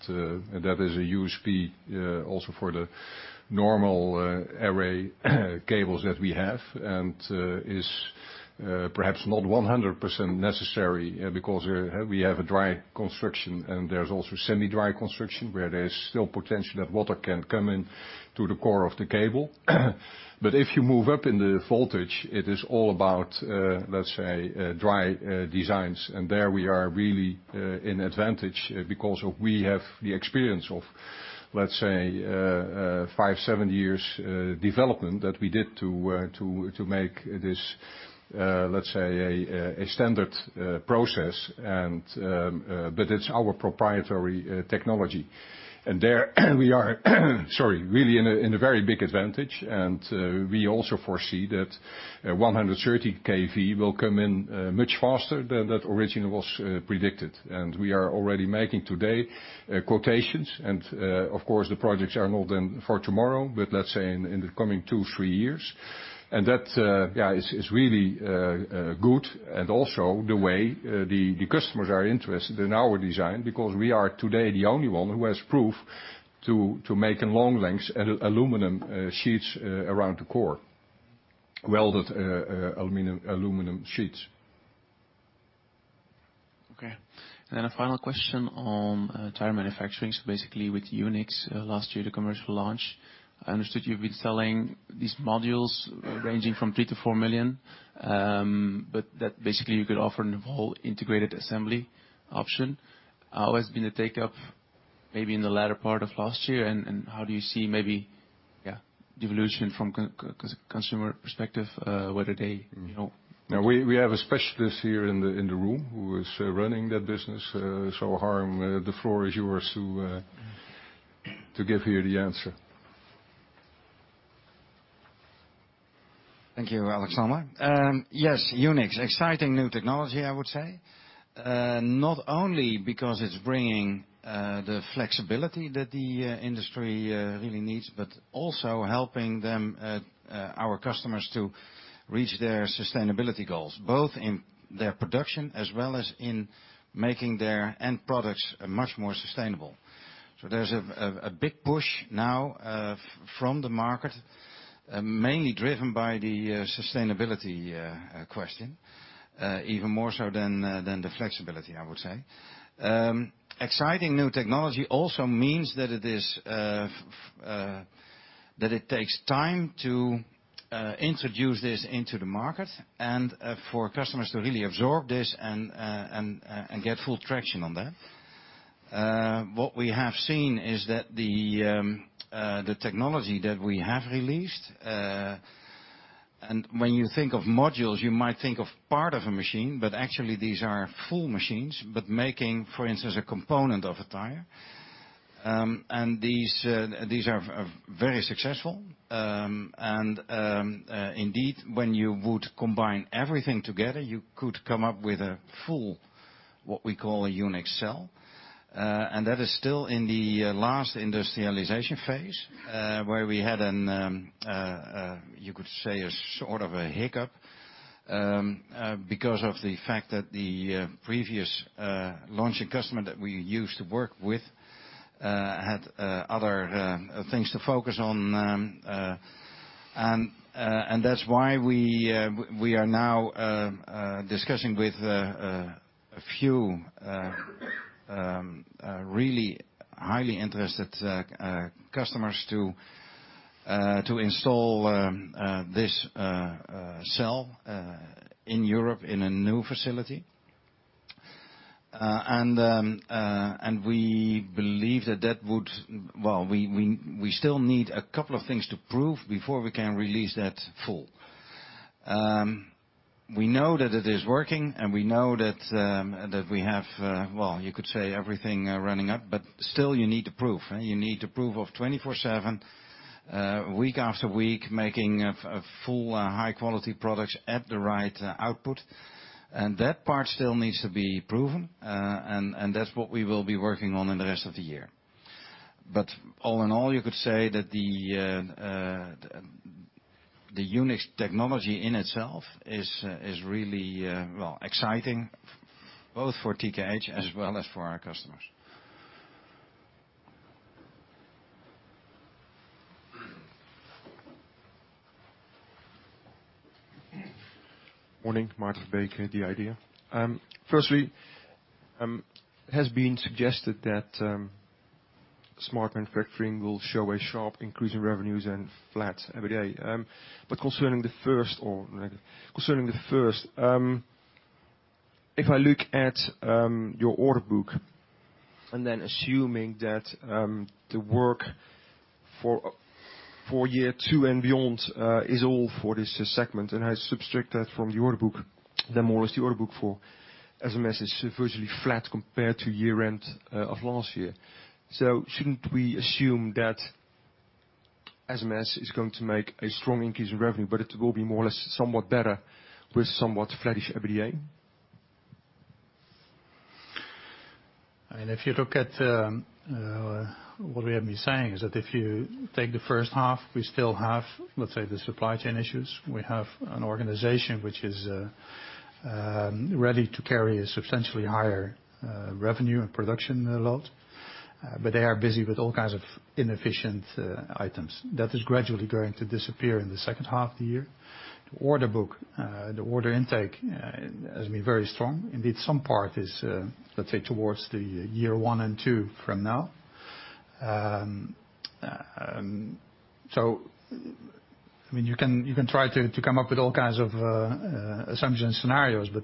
that is a USP also for the normal array cables that we have and is perhaps not 100% necessary because we have a dry construction and there's also semi-dry construction where there is still potential that water can come in to the core of the cable. If you move up in the voltage, it is all about, let's say, dry designs. There we are really in advantage because we have the experience of, let's say, five, seven years development that we did to make this, let's say, a standard process and, but it's our proprietary technology. There we are, sorry, really in a very big advantage. We also foresee that 130 kV will come in much faster than that originally was predicted. We are already making today quotations. Of course, the projects are not then for tomorrow, but let's say in the coming two, three years. That, yeah, is really good. Also the way the customers are interested in our design because we are today the only one who has proof to make in long lengths aluminum sheets around the core, welded aluminum sheets. Okay. A final question on tire manufacturing. Basically, with UNIXX last year, the commercial launch, I understood you've been selling these modules ranging from 3 million-4 million, but that basically you could offer the whole integrated assembly option. How has been the take-up maybe in the latter part of last year? How do you see maybe, yeah, the evolution from consumer perspective, whether they, you know? Now we have a specialist here in the room who is running that business. Harm, the floor is yours to give here the answer. Thank you, Alexander. Yes, UNIXX, exciting new technology, I would say. Not only because it's bringing the flexibility that the industry really needs, but also helping them, our customers to reach their sustainability goals, both in their production as well as in making their end products much more sustainable. There's a big push now from the market, mainly driven by the sustainability question, even more so than the flexibility, I would say. Exciting new technology also means that it is that it takes time to introduce this into the market and for customers to really absorb this and get full traction on that. What we have seen is that the technology that we have released, when you think of modules, you might think of part of a machine, but actually these are full machines, but making, for instance, a component of a tire. These are very successful. Indeed, when you would combine everything together, you could come up with a full, what we call a UNIXX cell. That is still in the last industrialization phase, where we had, you could say, a sort of a hiccup, because of the fact that the previous launching customer that we used to work with, had other things to focus on. That's why we are now discussing with a few really highly interested customers to install this cell in Europe in a new facility. We believe that would... Well, we still need a couple of things to prove before we can release that full. We know that it is working, and we know that we have, well, you could say everything running up, but still you need to prove. You need to prove of 24/7, week after week, making a full high quality products at the right output. That part still needs to be proven. That's what we will be working on in the rest of the year. All in all, you could say that the UNIXX technology in itself is really, well, exciting both for TKH as well as for our customers. Morning, Maarten Verbeek, the IDEA!. Firstly, it has been suggested that Smart Manufacturing will show a sharp increase in revenues and flat EBITDA. Concerning the first, if I look at your order book, and then assuming that the work for year two and beyond is all for this segment, and I subtract that from the order book, then more or less the order book for SMS is virtually flat compared to year-end of last year. Shouldn't we assume that SMS is going to make a strong increase in revenue, but it will be more or less somewhat better with somewhat flattish EBITDA? If you look at what we have been saying is that if you take the first half, we still have, let's say, the supply chain issues. We have an organization which is ready to carry a substantially higher revenue and production load, but they are busy with all kinds of inefficient items. That is gradually going to disappear in the second half of the year. The order book, the order intake has been very strong. Indeed, some part is, let's say, towards the year one and two from now. I mean, you can try to come up with all kinds of assumptions, scenarios, but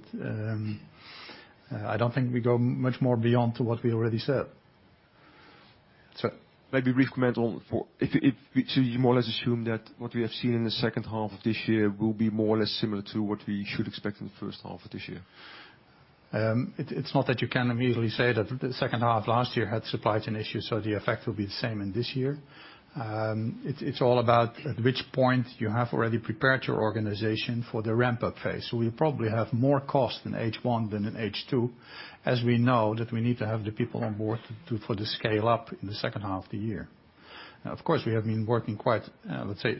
I don't think we go much more beyond to what we already said. Maybe brief comment on if we to more or less assume that what we have seen in the second half of this year will be more or less similar to what we should expect in the first half of this year. It's not that you can immediately say that the second half last year had supply chain issues, the effect will be the same in this year. It's all about at which point you have already prepared your organization for the ramp-up phase. We probably have more cost in H1 than in H2, as we know that we need to have the people on board for the scale up in the second half of the year. Of course, we have been working quite, let's say,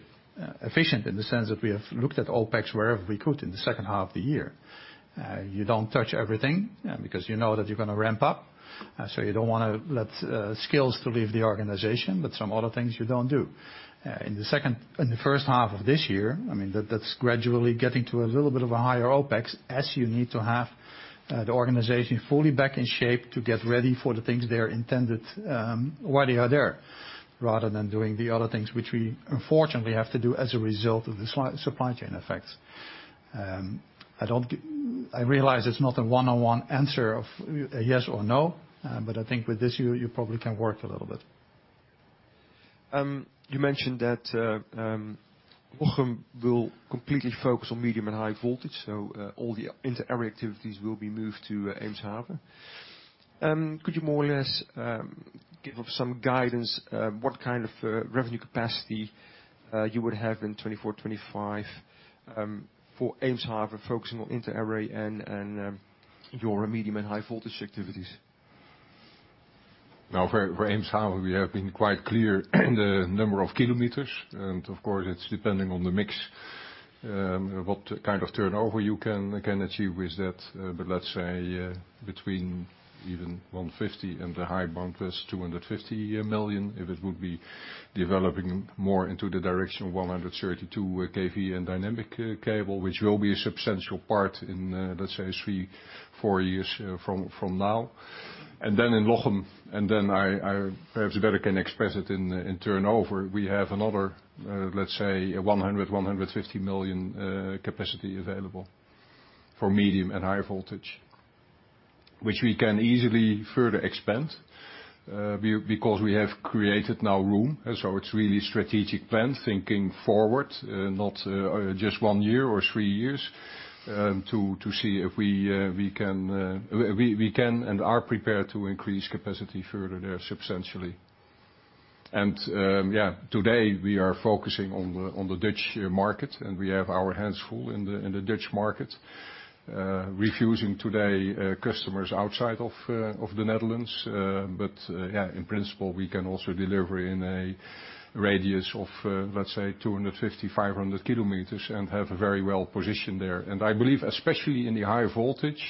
efficient in the sense that we have looked at OpEx wherever we could in the second half of the year. You don't touch everything because you know that you're going to ramp up, so you don't want to let skills to leave the organization, but some other things you don't do. In the first half of this year, I mean, that's gradually getting to a little bit of a higher OpEx as you need to have, the organization fully back in shape to get ready for the things they are intended, why they are there, rather than doing the other things which we unfortunately have to do as a result of the supply chain effects. I don't. I realize it's not a one-on-one answer of a yes or no, but I think with this you probably can work a little bit. You mentioned that Lochem will completely focus on medium and high voltage, so all the inter-array activities will be moved to Eemshaven. Could you more or less give us some guidance, what kind of revenue capacity you would have in 2024, 2025 for Eemshaven focusing on interarray and your medium and high voltage activities? Now for Eemshaven, we have been quite clear the number of kilometers, and of course, it's depending on the mix, what kind of turnover you can achieve with that. But let's say, between even 150 million and the high point is 250 million, if it would be developing more into the direction of 132 kV and dynamic cable, which will be a substantial part in, let's say three, four years from now. Then in Lochem, I perhaps better can express it in turnover. We have another, let's say 100 million-150 million capacity available for medium and high voltage, which we can easily further expand, because we have created now room. It's really strategic plan thinking forward, not just one year or three years, to see if we can and are prepared to increase capacity further there substantially. Yeah, today we are focusing on the Dutch market, and we have our hands full in the Dutch market, refusing today customers outside of the Netherlands. Yeah, in principle we can also deliver in a radius of, let's say 250 km-500 km and have a very well position there. I believe especially in the high voltage,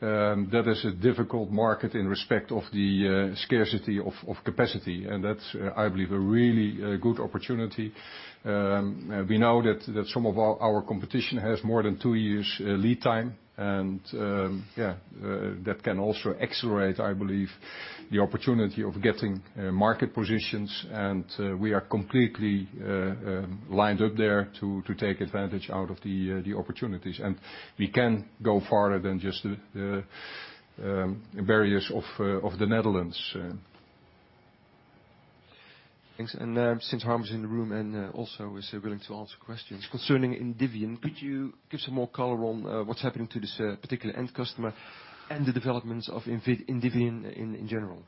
that is a difficult market in respect of the scarcity of capacity. That's, I believe a really good opportunity. We know that some of our competition has more than two years lead time, and yeah, that can also accelerate, I believe, the opportunity of getting market positions, and we are completely lined up there to take advantage out of the opportunities. We can go farther than just the barriers of the Netherlands. Thanks. Since Harm is in the room and also is willing to answer questions concerning Indivion, could you give some more color on what's happening to this particular end customer and the developments of Indivion in general?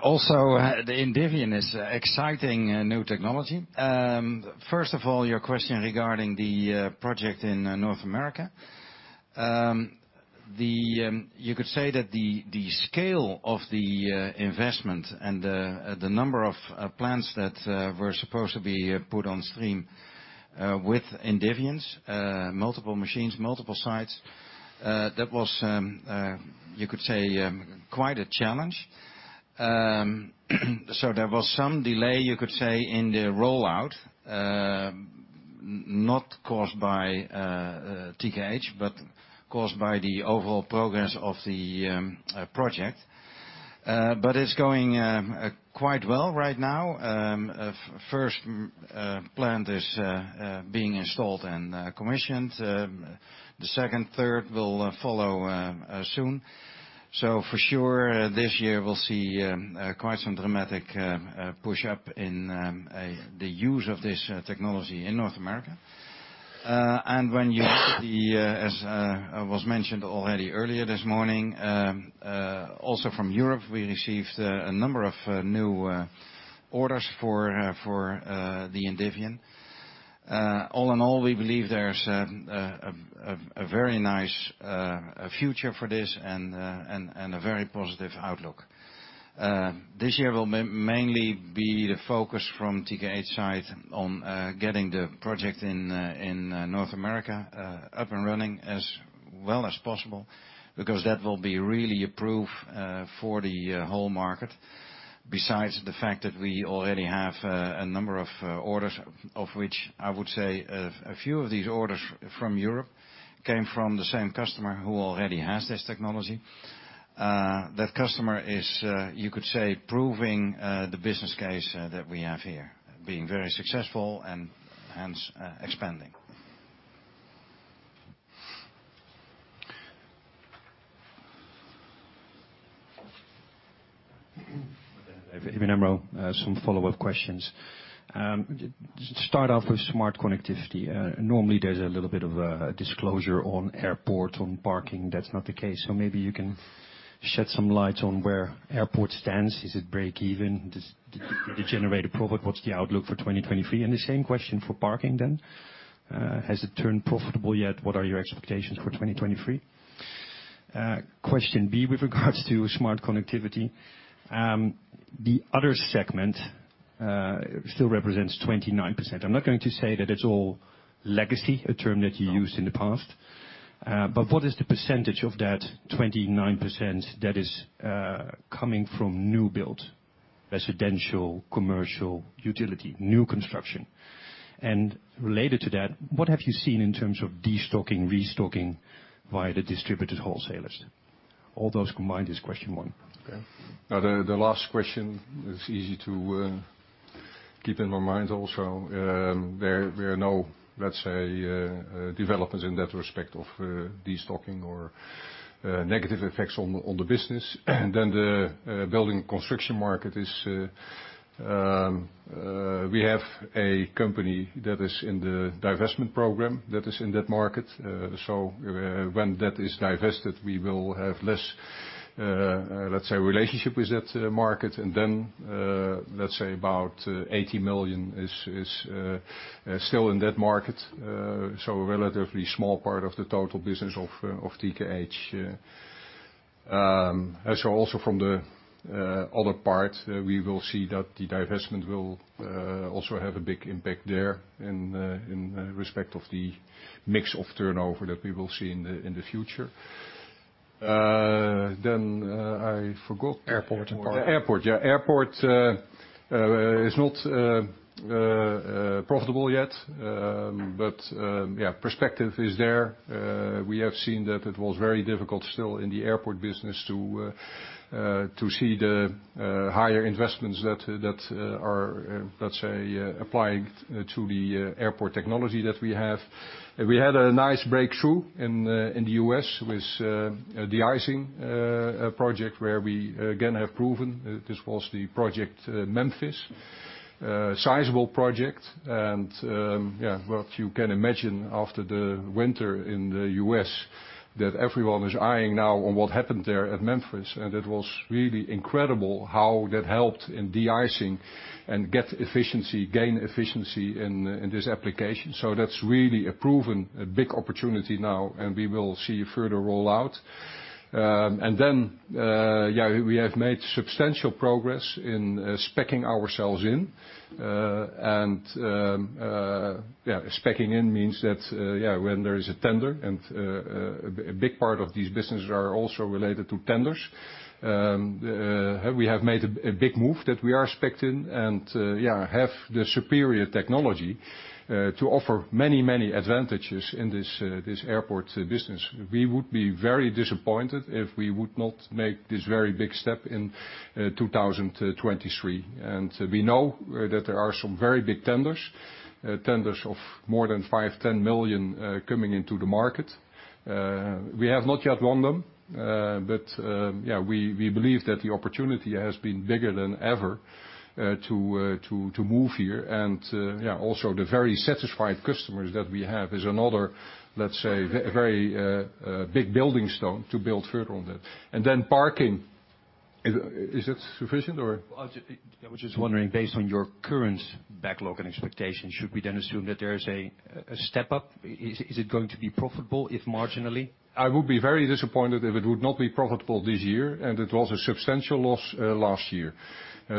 Also, the Indivion is exciting new technology. First of all, your question regarding the project in North America. The, you could say that the scale of the investment and the number of plants that were supposed to be put on stream with Indivion, multiple machines, multiple sites, that was, you could say, quite a challenge. There was some delay, you could say, in the rollout, not caused by TKH, but caused by the overall progress of the project. It's going quite well right now. First plant is being installed and commissioned. The second, third will follow soon. For sure, this year we'll see quite some dramatic push up in the use of this technology in North America. When you see, as was mentioned already earlier this morning, also from Europe, we received a number of new orders for the Indivion. All in all, we believe there's a very nice future for this and a very positive outlook. This year will mainly be the focus from TKH side on getting the project in North America up and running as well as possible because that will be really a proof for the whole market. Besides the fact that we already have a number of orders, of which I would say a few of these orders from Europe came from the same customer who already has this technology. That customer is, you could say, proving the business case that we have here, being very successful and hence, expanding. ABN AMRO. Some follow-up questions. Start off with Smart Connectivity. Normally there's a little bit of a disclosure on airport, on parking. That's not the case. Maybe you can shed some light on where airport stands. Is it break even? Does it generate a profit? What's the outlook for 2023? The same question for parking then. Has it turned profitable yet? What are your expectations for 2023? Question B, with regards to Smart Connectivity, the other segment still represents 29%. I'm not going to say that it's all legacy, a term that you used in the past, but what is the percentage of that 29% that is coming from new build, residential, commercial, utility, new construction? Related to that, what have you seen in terms of destocking, restocking via the distributed wholesalers? All those combined is question one. Okay. Now the last question is easy to keep in my mind also. There are no, let's say, developments in that respect of destocking or negative effects on the business. The building construction market is, we have a company that is in the divestment program that is in that market. When that is divested, we will have less, let's say relationship with that market. Then, let's say about 80 million is still in that market. So a relatively small part of the total business of TKH. Also from the other part, we will see that the divestment will also have a big impact there in respect of the mix of turnover that we will see in the future. I forgot. Airport and parking. Airport, yeah. Airport is not profitable yet. Yeah, perspective is there. We have seen that it was very difficult still in the airport business to see the higher investments that are, let's say, applied to the airport technology that we have. We had a nice breakthrough in the U.S. with a de-icing project where we again have proven, this was the project Memphis. Sizable project and, yeah, what you can imagine after the winter in the U.S. that everyone is eyeing now on what happened there at Memphis, and it was really incredible how that helped in de-icing and get efficiency, gain efficiency in this application. That's really a proven, a big opportunity now, and we will see further rollout. We have made substantial progress in speccing ourselves in. Speccing in means that when there is a tender and a big part of these businesses are also related to tenders. We have made a big move that we are specced in and have the superior technology to offer many, many advantages in this airport business. We would be very disappointed if we would not make this very big step in 2023. There are some very big tenders of more than 5 million-10 million coming into the market. We have not yet won them, but we believe that the opportunity has been bigger than ever, to move here. Also, the very satisfied customers that we have is another, let's say, very big building stone to build further on that. Then parking. Is that sufficient or? I was just wondering, based on your current backlog and expectations, should we then assume that there is a step up? Is it going to be profitable, if marginally? I would be very disappointed if it would not be profitable this year, and it was a substantial loss last year.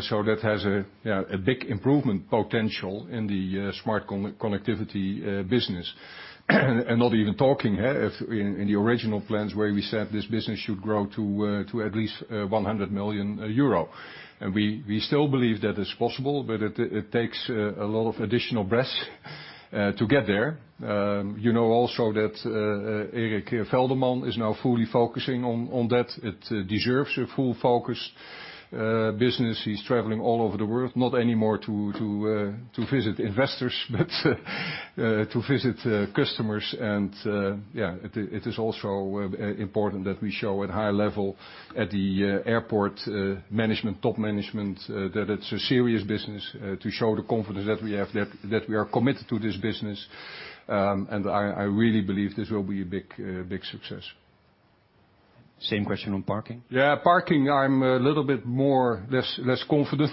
So that has a, yeah, a big improvement potential in the Smart Connectivity business. Not even talking, if in the original plans where we said this business should grow to at least 100 million euro. We, we still believe that is possible, but it takes a lot of additional breaths to get there. You know also that Erik Velderman is now fully focusing on that. It deserves a full focus business. He's traveling all over the world, not anymore to visit investors, but to visit customers. Yeah, it is also important that we show at high level at the airport management, top management, that it's a serious business, to show the confidence that we have, that we are committed to this business. I really believe this will be a big, big success. Same question on parking. Yeah. Parking, I'm a little bit more, less confident.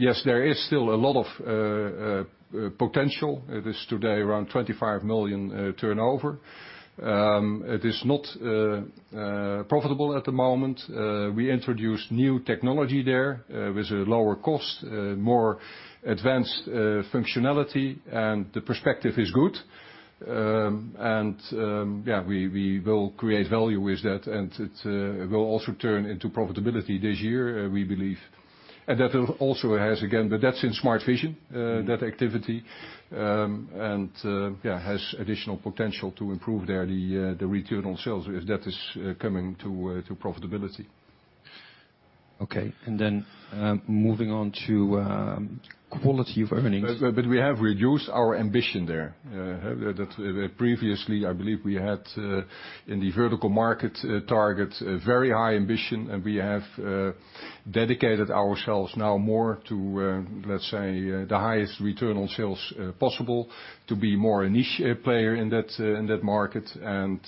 Yes, there is still a lot of potential. It is today around 25 million turnover. It is not profitable at the moment. We introduced new technology there with a lower cost, more advanced functionality, and the perspective is good. Yeah, we will create value with that, and it will also turn into profitability this year, we believe. That also has again, but that's in Smart Vision, that activity. Yeah, has additional potential to improve there the return on sales if that is coming to profitability. Okay. moving on to quality of earnings. We have reduced our ambition there. That previously, I believe we had in the vertical market target a very high ambition, and we have dedicated ourselves now more to let's say the highest return on sales possible to be more a niche player in that market and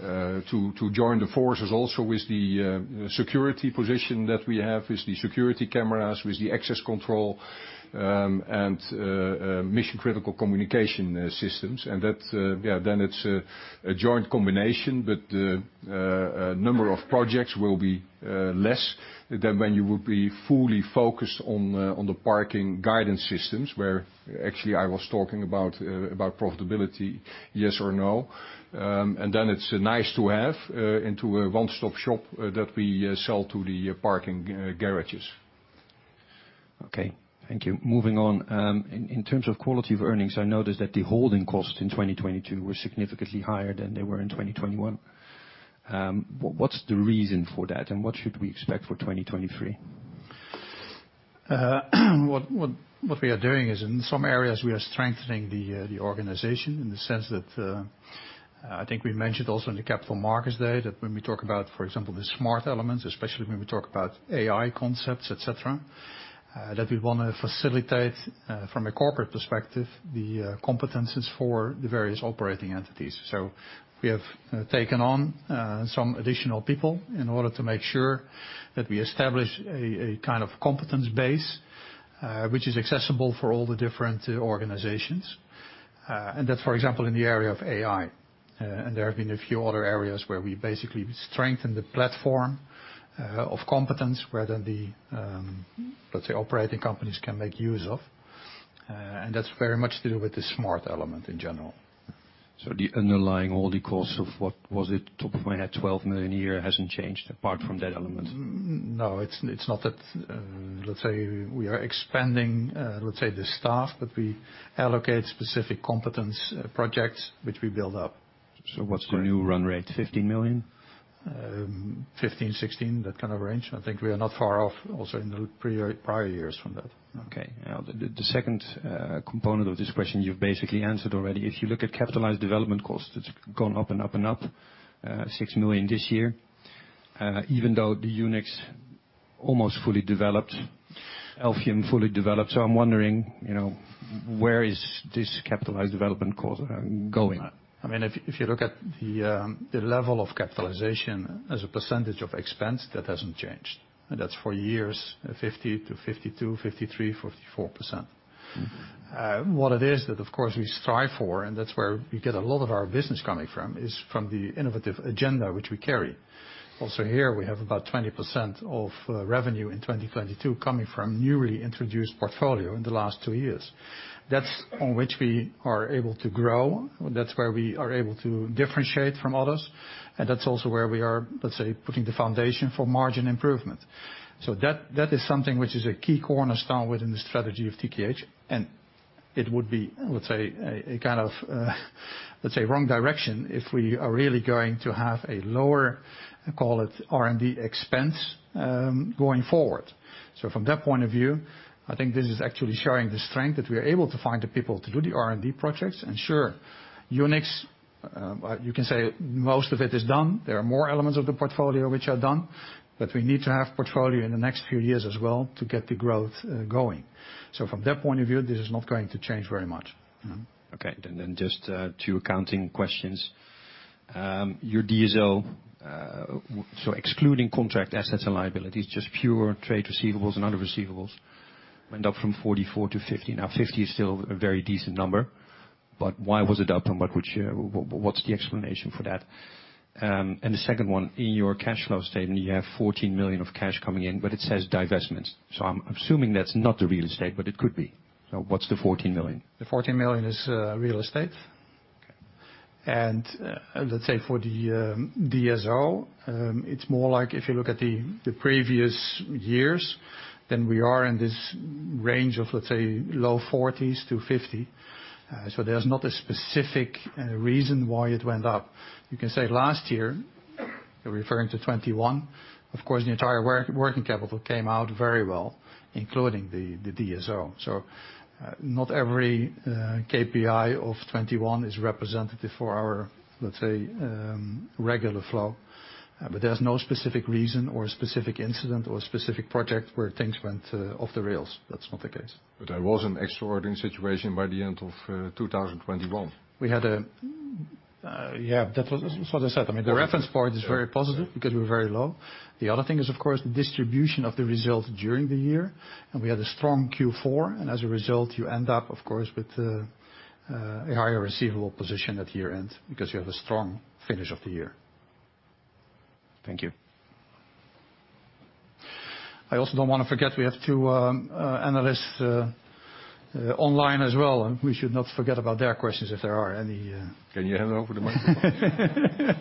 to join the forces also with the security position that we have with the security cameras, with the access control and mission-critical communication systems. That, yeah, then it's a joint combination, but number of projects will be less than when you would be fully focused on the parking guidance systems, where actually I was talking about profitability, yes or no. It's nice to have, into a one-stop shop, that we sell to the parking garages. Okay, thank you. Moving on, in terms of quality of earnings, I noticed that the holding costs in 2022 were significantly higher than they were in 2021. What's the reason for that, and what should we expect for 2023? What we are doing is in some areas we are strengthening the organization in the sense that I think we mentioned also in the capital markets there that when we talk about, for example, the smart elements, especially when we talk about AI concepts, et cetera, that we wanna facilitate from a corporate perspective the competencies for the various operating entities. We have taken on some additional people in order to make sure that we establish a kind of competence base, which is accessible for all the different organizations. That's for example in the area of AI. There have been a few other areas where we basically strengthen the platform of competence where then the, let's say, operating companies can make use of. That's very much to do with the smart element in general. The underlying all the costs of what was it, top of my head, 12 million a year hasn't changed apart from that element? It's not that. Let's say we are expanding, let's say the staff, we allocate specific competence projects which we build up. What's the new run rate? 15 million? 15-16, that kind of range. I think we are not far off also in the prior years from that. Okay. Now, the second component of this question you've basically answered already. If you look at capitalized development costs, it's gone up and up and up, 6 million this year. Even though the UNIXX almost fully developed, Alvium fully developed. I'm wondering, you know, where is this capitalized development costs going? I mean, if you look at the level of capitalization as a percentage of expense, that hasn't changed. That's for years 50%-52%, 53%, 44%. What it is that of course we strive for, and that's where we get a lot of our business coming from, is from the innovative agenda which we carry. Also here, we have about 20% of revenue in 2022 coming from newly introduced portfolio in the last two years. That's on which we are able to grow. That's where we are able to differentiate from others, and that's also where we are, let's say, putting the foundation for margin improvement. That, that is something which is a key cornerstone within the strategy of TKH, and it would be, I would say, a kind of, let's say, wrong direction if we are really going to have a lower, call it R&D expense, going forward. From that point of view, I think this is actually showing the strength that we are able to find the people to do the R&D projects. Sure, UNIXX, you can say most of it is done. There are more elements of the portfolio which are done, but we need to have portfolio in the next few years as well to get the growth going. From that point of view, this is not going to change very much. Okay. Just two accounting questions. Your DSO, so excluding contract assets and liabilities, just pure trade receivables and other receivables went up from 44 to 50. Now, 50 is still a very decent number, but why was it up, and what's the explanation for that? The second one, in your cash flow statement, you have 14 million of cash coming in, but it says divestments. I'm assuming that's not the real estate, but it could be. What's the 14 million? The 14 million is real estate. Okay. Let's say for the DSO, it's more like if you look at the previous years, then we are in this range of low 40s to 50. There's not a specific reason why it went up. You can say last year, referring to 2021, of course the entire working capital came out very well, including the DSO. Not every KPI of 2021 is representative for our, let's say, regular flow. There's no specific reason or specific incident or specific project where things went off the rails. That's not the case. There was an extraordinary situation by the end of 2021. Yeah, that's what I said. I mean, the reference part is very positive because we're very low. The other thing is of course the distribution of the results during the year. We had a strong Q4. As a result you end up of course with a higher receivable position at year-end because you have a strong finish of the year. Thank you. I also don't wanna forget we have two analysts online as well, and we should not forget about their questions if there are any. Can you hand over the microphone?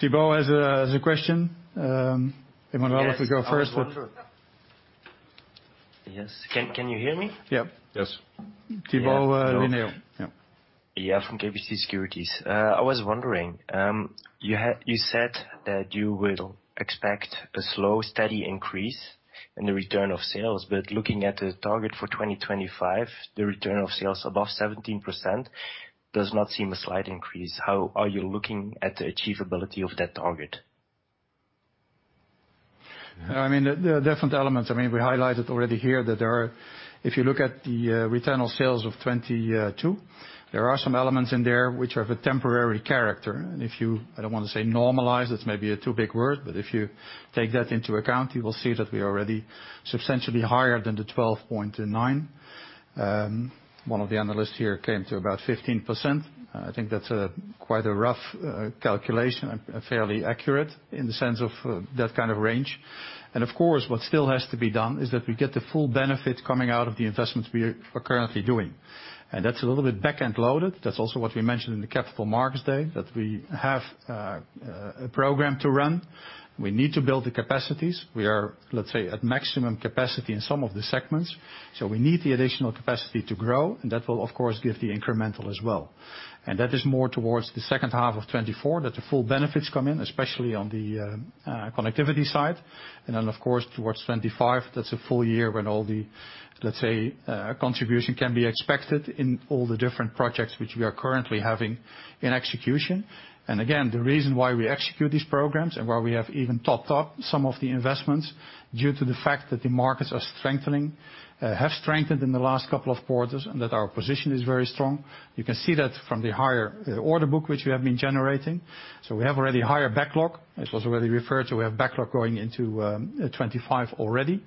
Thibault has a question. Emmanuel, if you go first. Yes. Can you hear me? Yep. Yes. Thibault Leneeuw. Yep. From KBC Securities. I was wondering, you said that you will expect a slow, steady increase in the return on sales, but looking at the target for 2025, the return on sales above 17% does not seem a slight increase. How are you looking at the achievability of that target? I mean, there are different elements. I mean, we highlighted already here that there are. If you look at the return on sales of 2022, there are some elements in there which have a temporary character. If you, I don't want to say normalize, that's maybe a too big word, but if you take that into account, you will see that we are already substantially higher than 12.9%. One of the analysts here came to about 15%. I think that's a quite a rough calculation and fairly accurate in the sense of that kind of range. Of course, what still has to be done is that we get the full benefit coming out of the investments we are currently doing. That's a little bit back-end loaded. That's also what we mentioned in the Capital Markets Day, that we have a program to run. We need to build the capacities. We are, let's say, at maximum capacity in some of the segments. We need the additional capacity to grow, and that will, of course, give the incremental as well. That is more towards the second half of 2024, that the full benefits come in, especially on the connectivity side. Of course, towards 2025, that's a full year when all the, let's say, contribution can be expected in all the different projects which we are currently having in execution. Again, the reason why we execute these programs and why we have even topped up some of the investments due to the fact that the markets are strengthening, have strengthened in the last couple of quarters, and that our position is very strong. You can see that from the higher, order book which we have been generating. We have already higher backlog. This was already referred to, we have backlog going into, 2025 already.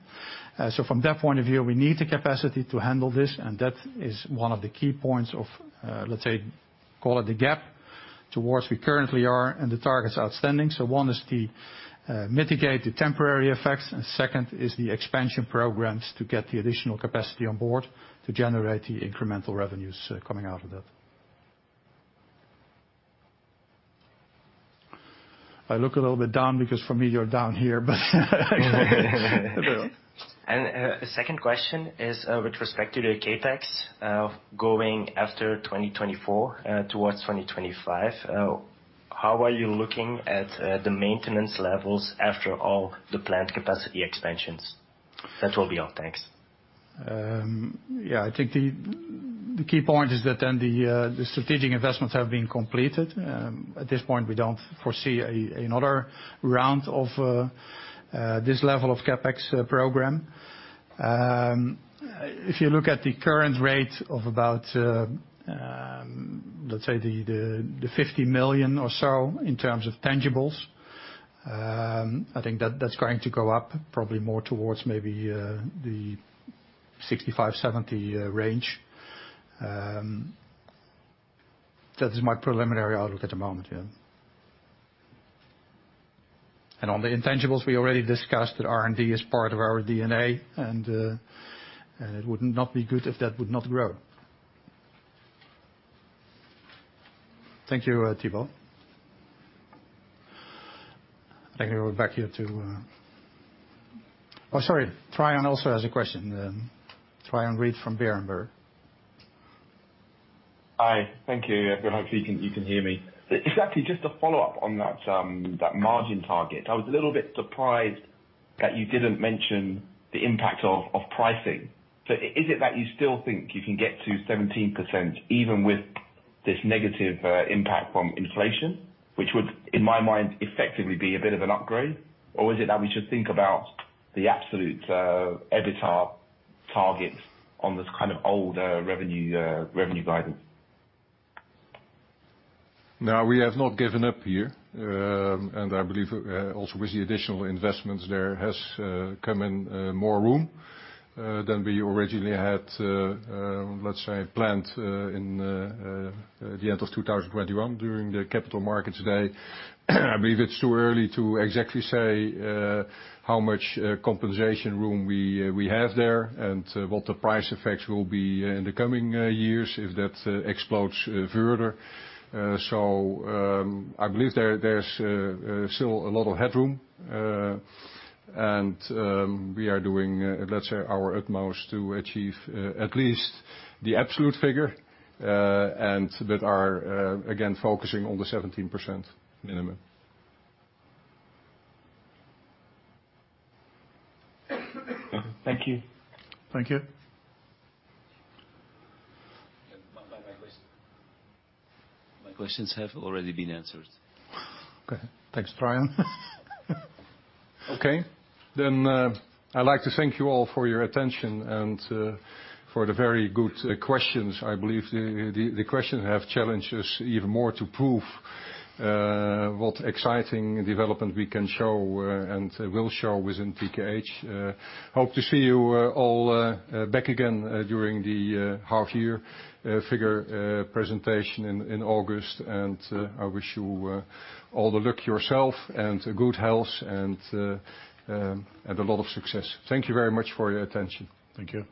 From that point of view, we need the capacity to handle this, and that is one of the key points of, let's say, call it the gap towards we currently are and the targets outstanding. One is to mitigate the temporary effects, and second is the expansion programs to get the additional capacity on board to generate the incremental revenues coming out of that. I look a little bit down because for me you're down here, but. A second question is, with respect to the CapEx of going after 2024, towards 2025. How are you looking at the maintenance levels after all the plant capacity expansions? That will be all. Thanks. Yeah, I think the key point is that then the strategic investments have been completed. At this point, we don't foresee another round of this level of CapEx program. If you look at the current rate of about, let's say the 50 million or so in terms of tangibles, I think that's going to go up probably more towards maybe the 65 million-70 million range. That is my preliminary outlook at the moment, yeah. On the intangibles, we already discussed that R&D is part of our D&A, and it would not be good if that would not grow. Thank you, Thibault. I think we're back here to... Trion also has a question. Trion Reid from Berenberg. Hi. Thank you. Hopefully you can hear me. Exactly, just to follow up on that margin target, I was a little bit surprised that you didn't mention the impact of pricing. Is it that you still think you can get to 17% even with this negative impact from inflation, which would, in my mind, effectively be a bit of an upgrade? Is it that we should think about the absolute EBITDA targets on this kind of older revenue guidance? No, we have not given up here. I believe also with the additional investments, there has come in more room than we originally had, let's say, planned in the end of 2021 during the Capital Markets Day. I believe it's too early to exactly say how much compensation room we have there and what the price effects will be in the coming years if that explodes further. I believe there's still a lot of headroom. We are doing, let's say, our utmost to achieve at least the absolute figure, and that are again focusing on the 17% minimum. Thank you. Thank you. My question. My questions have already been answered. Okay. Thanks, Trion. Okay. I'd like to thank you all for your attention and for the very good questions. I believe the questions have challenged us even more to prove what exciting development we can show and we'll show within TKH. Hope to see you all back again during the half year figure presentation in August. I wish you all the luck yourself and good health and a lot of success. Thank you very much for your attention. Thank you.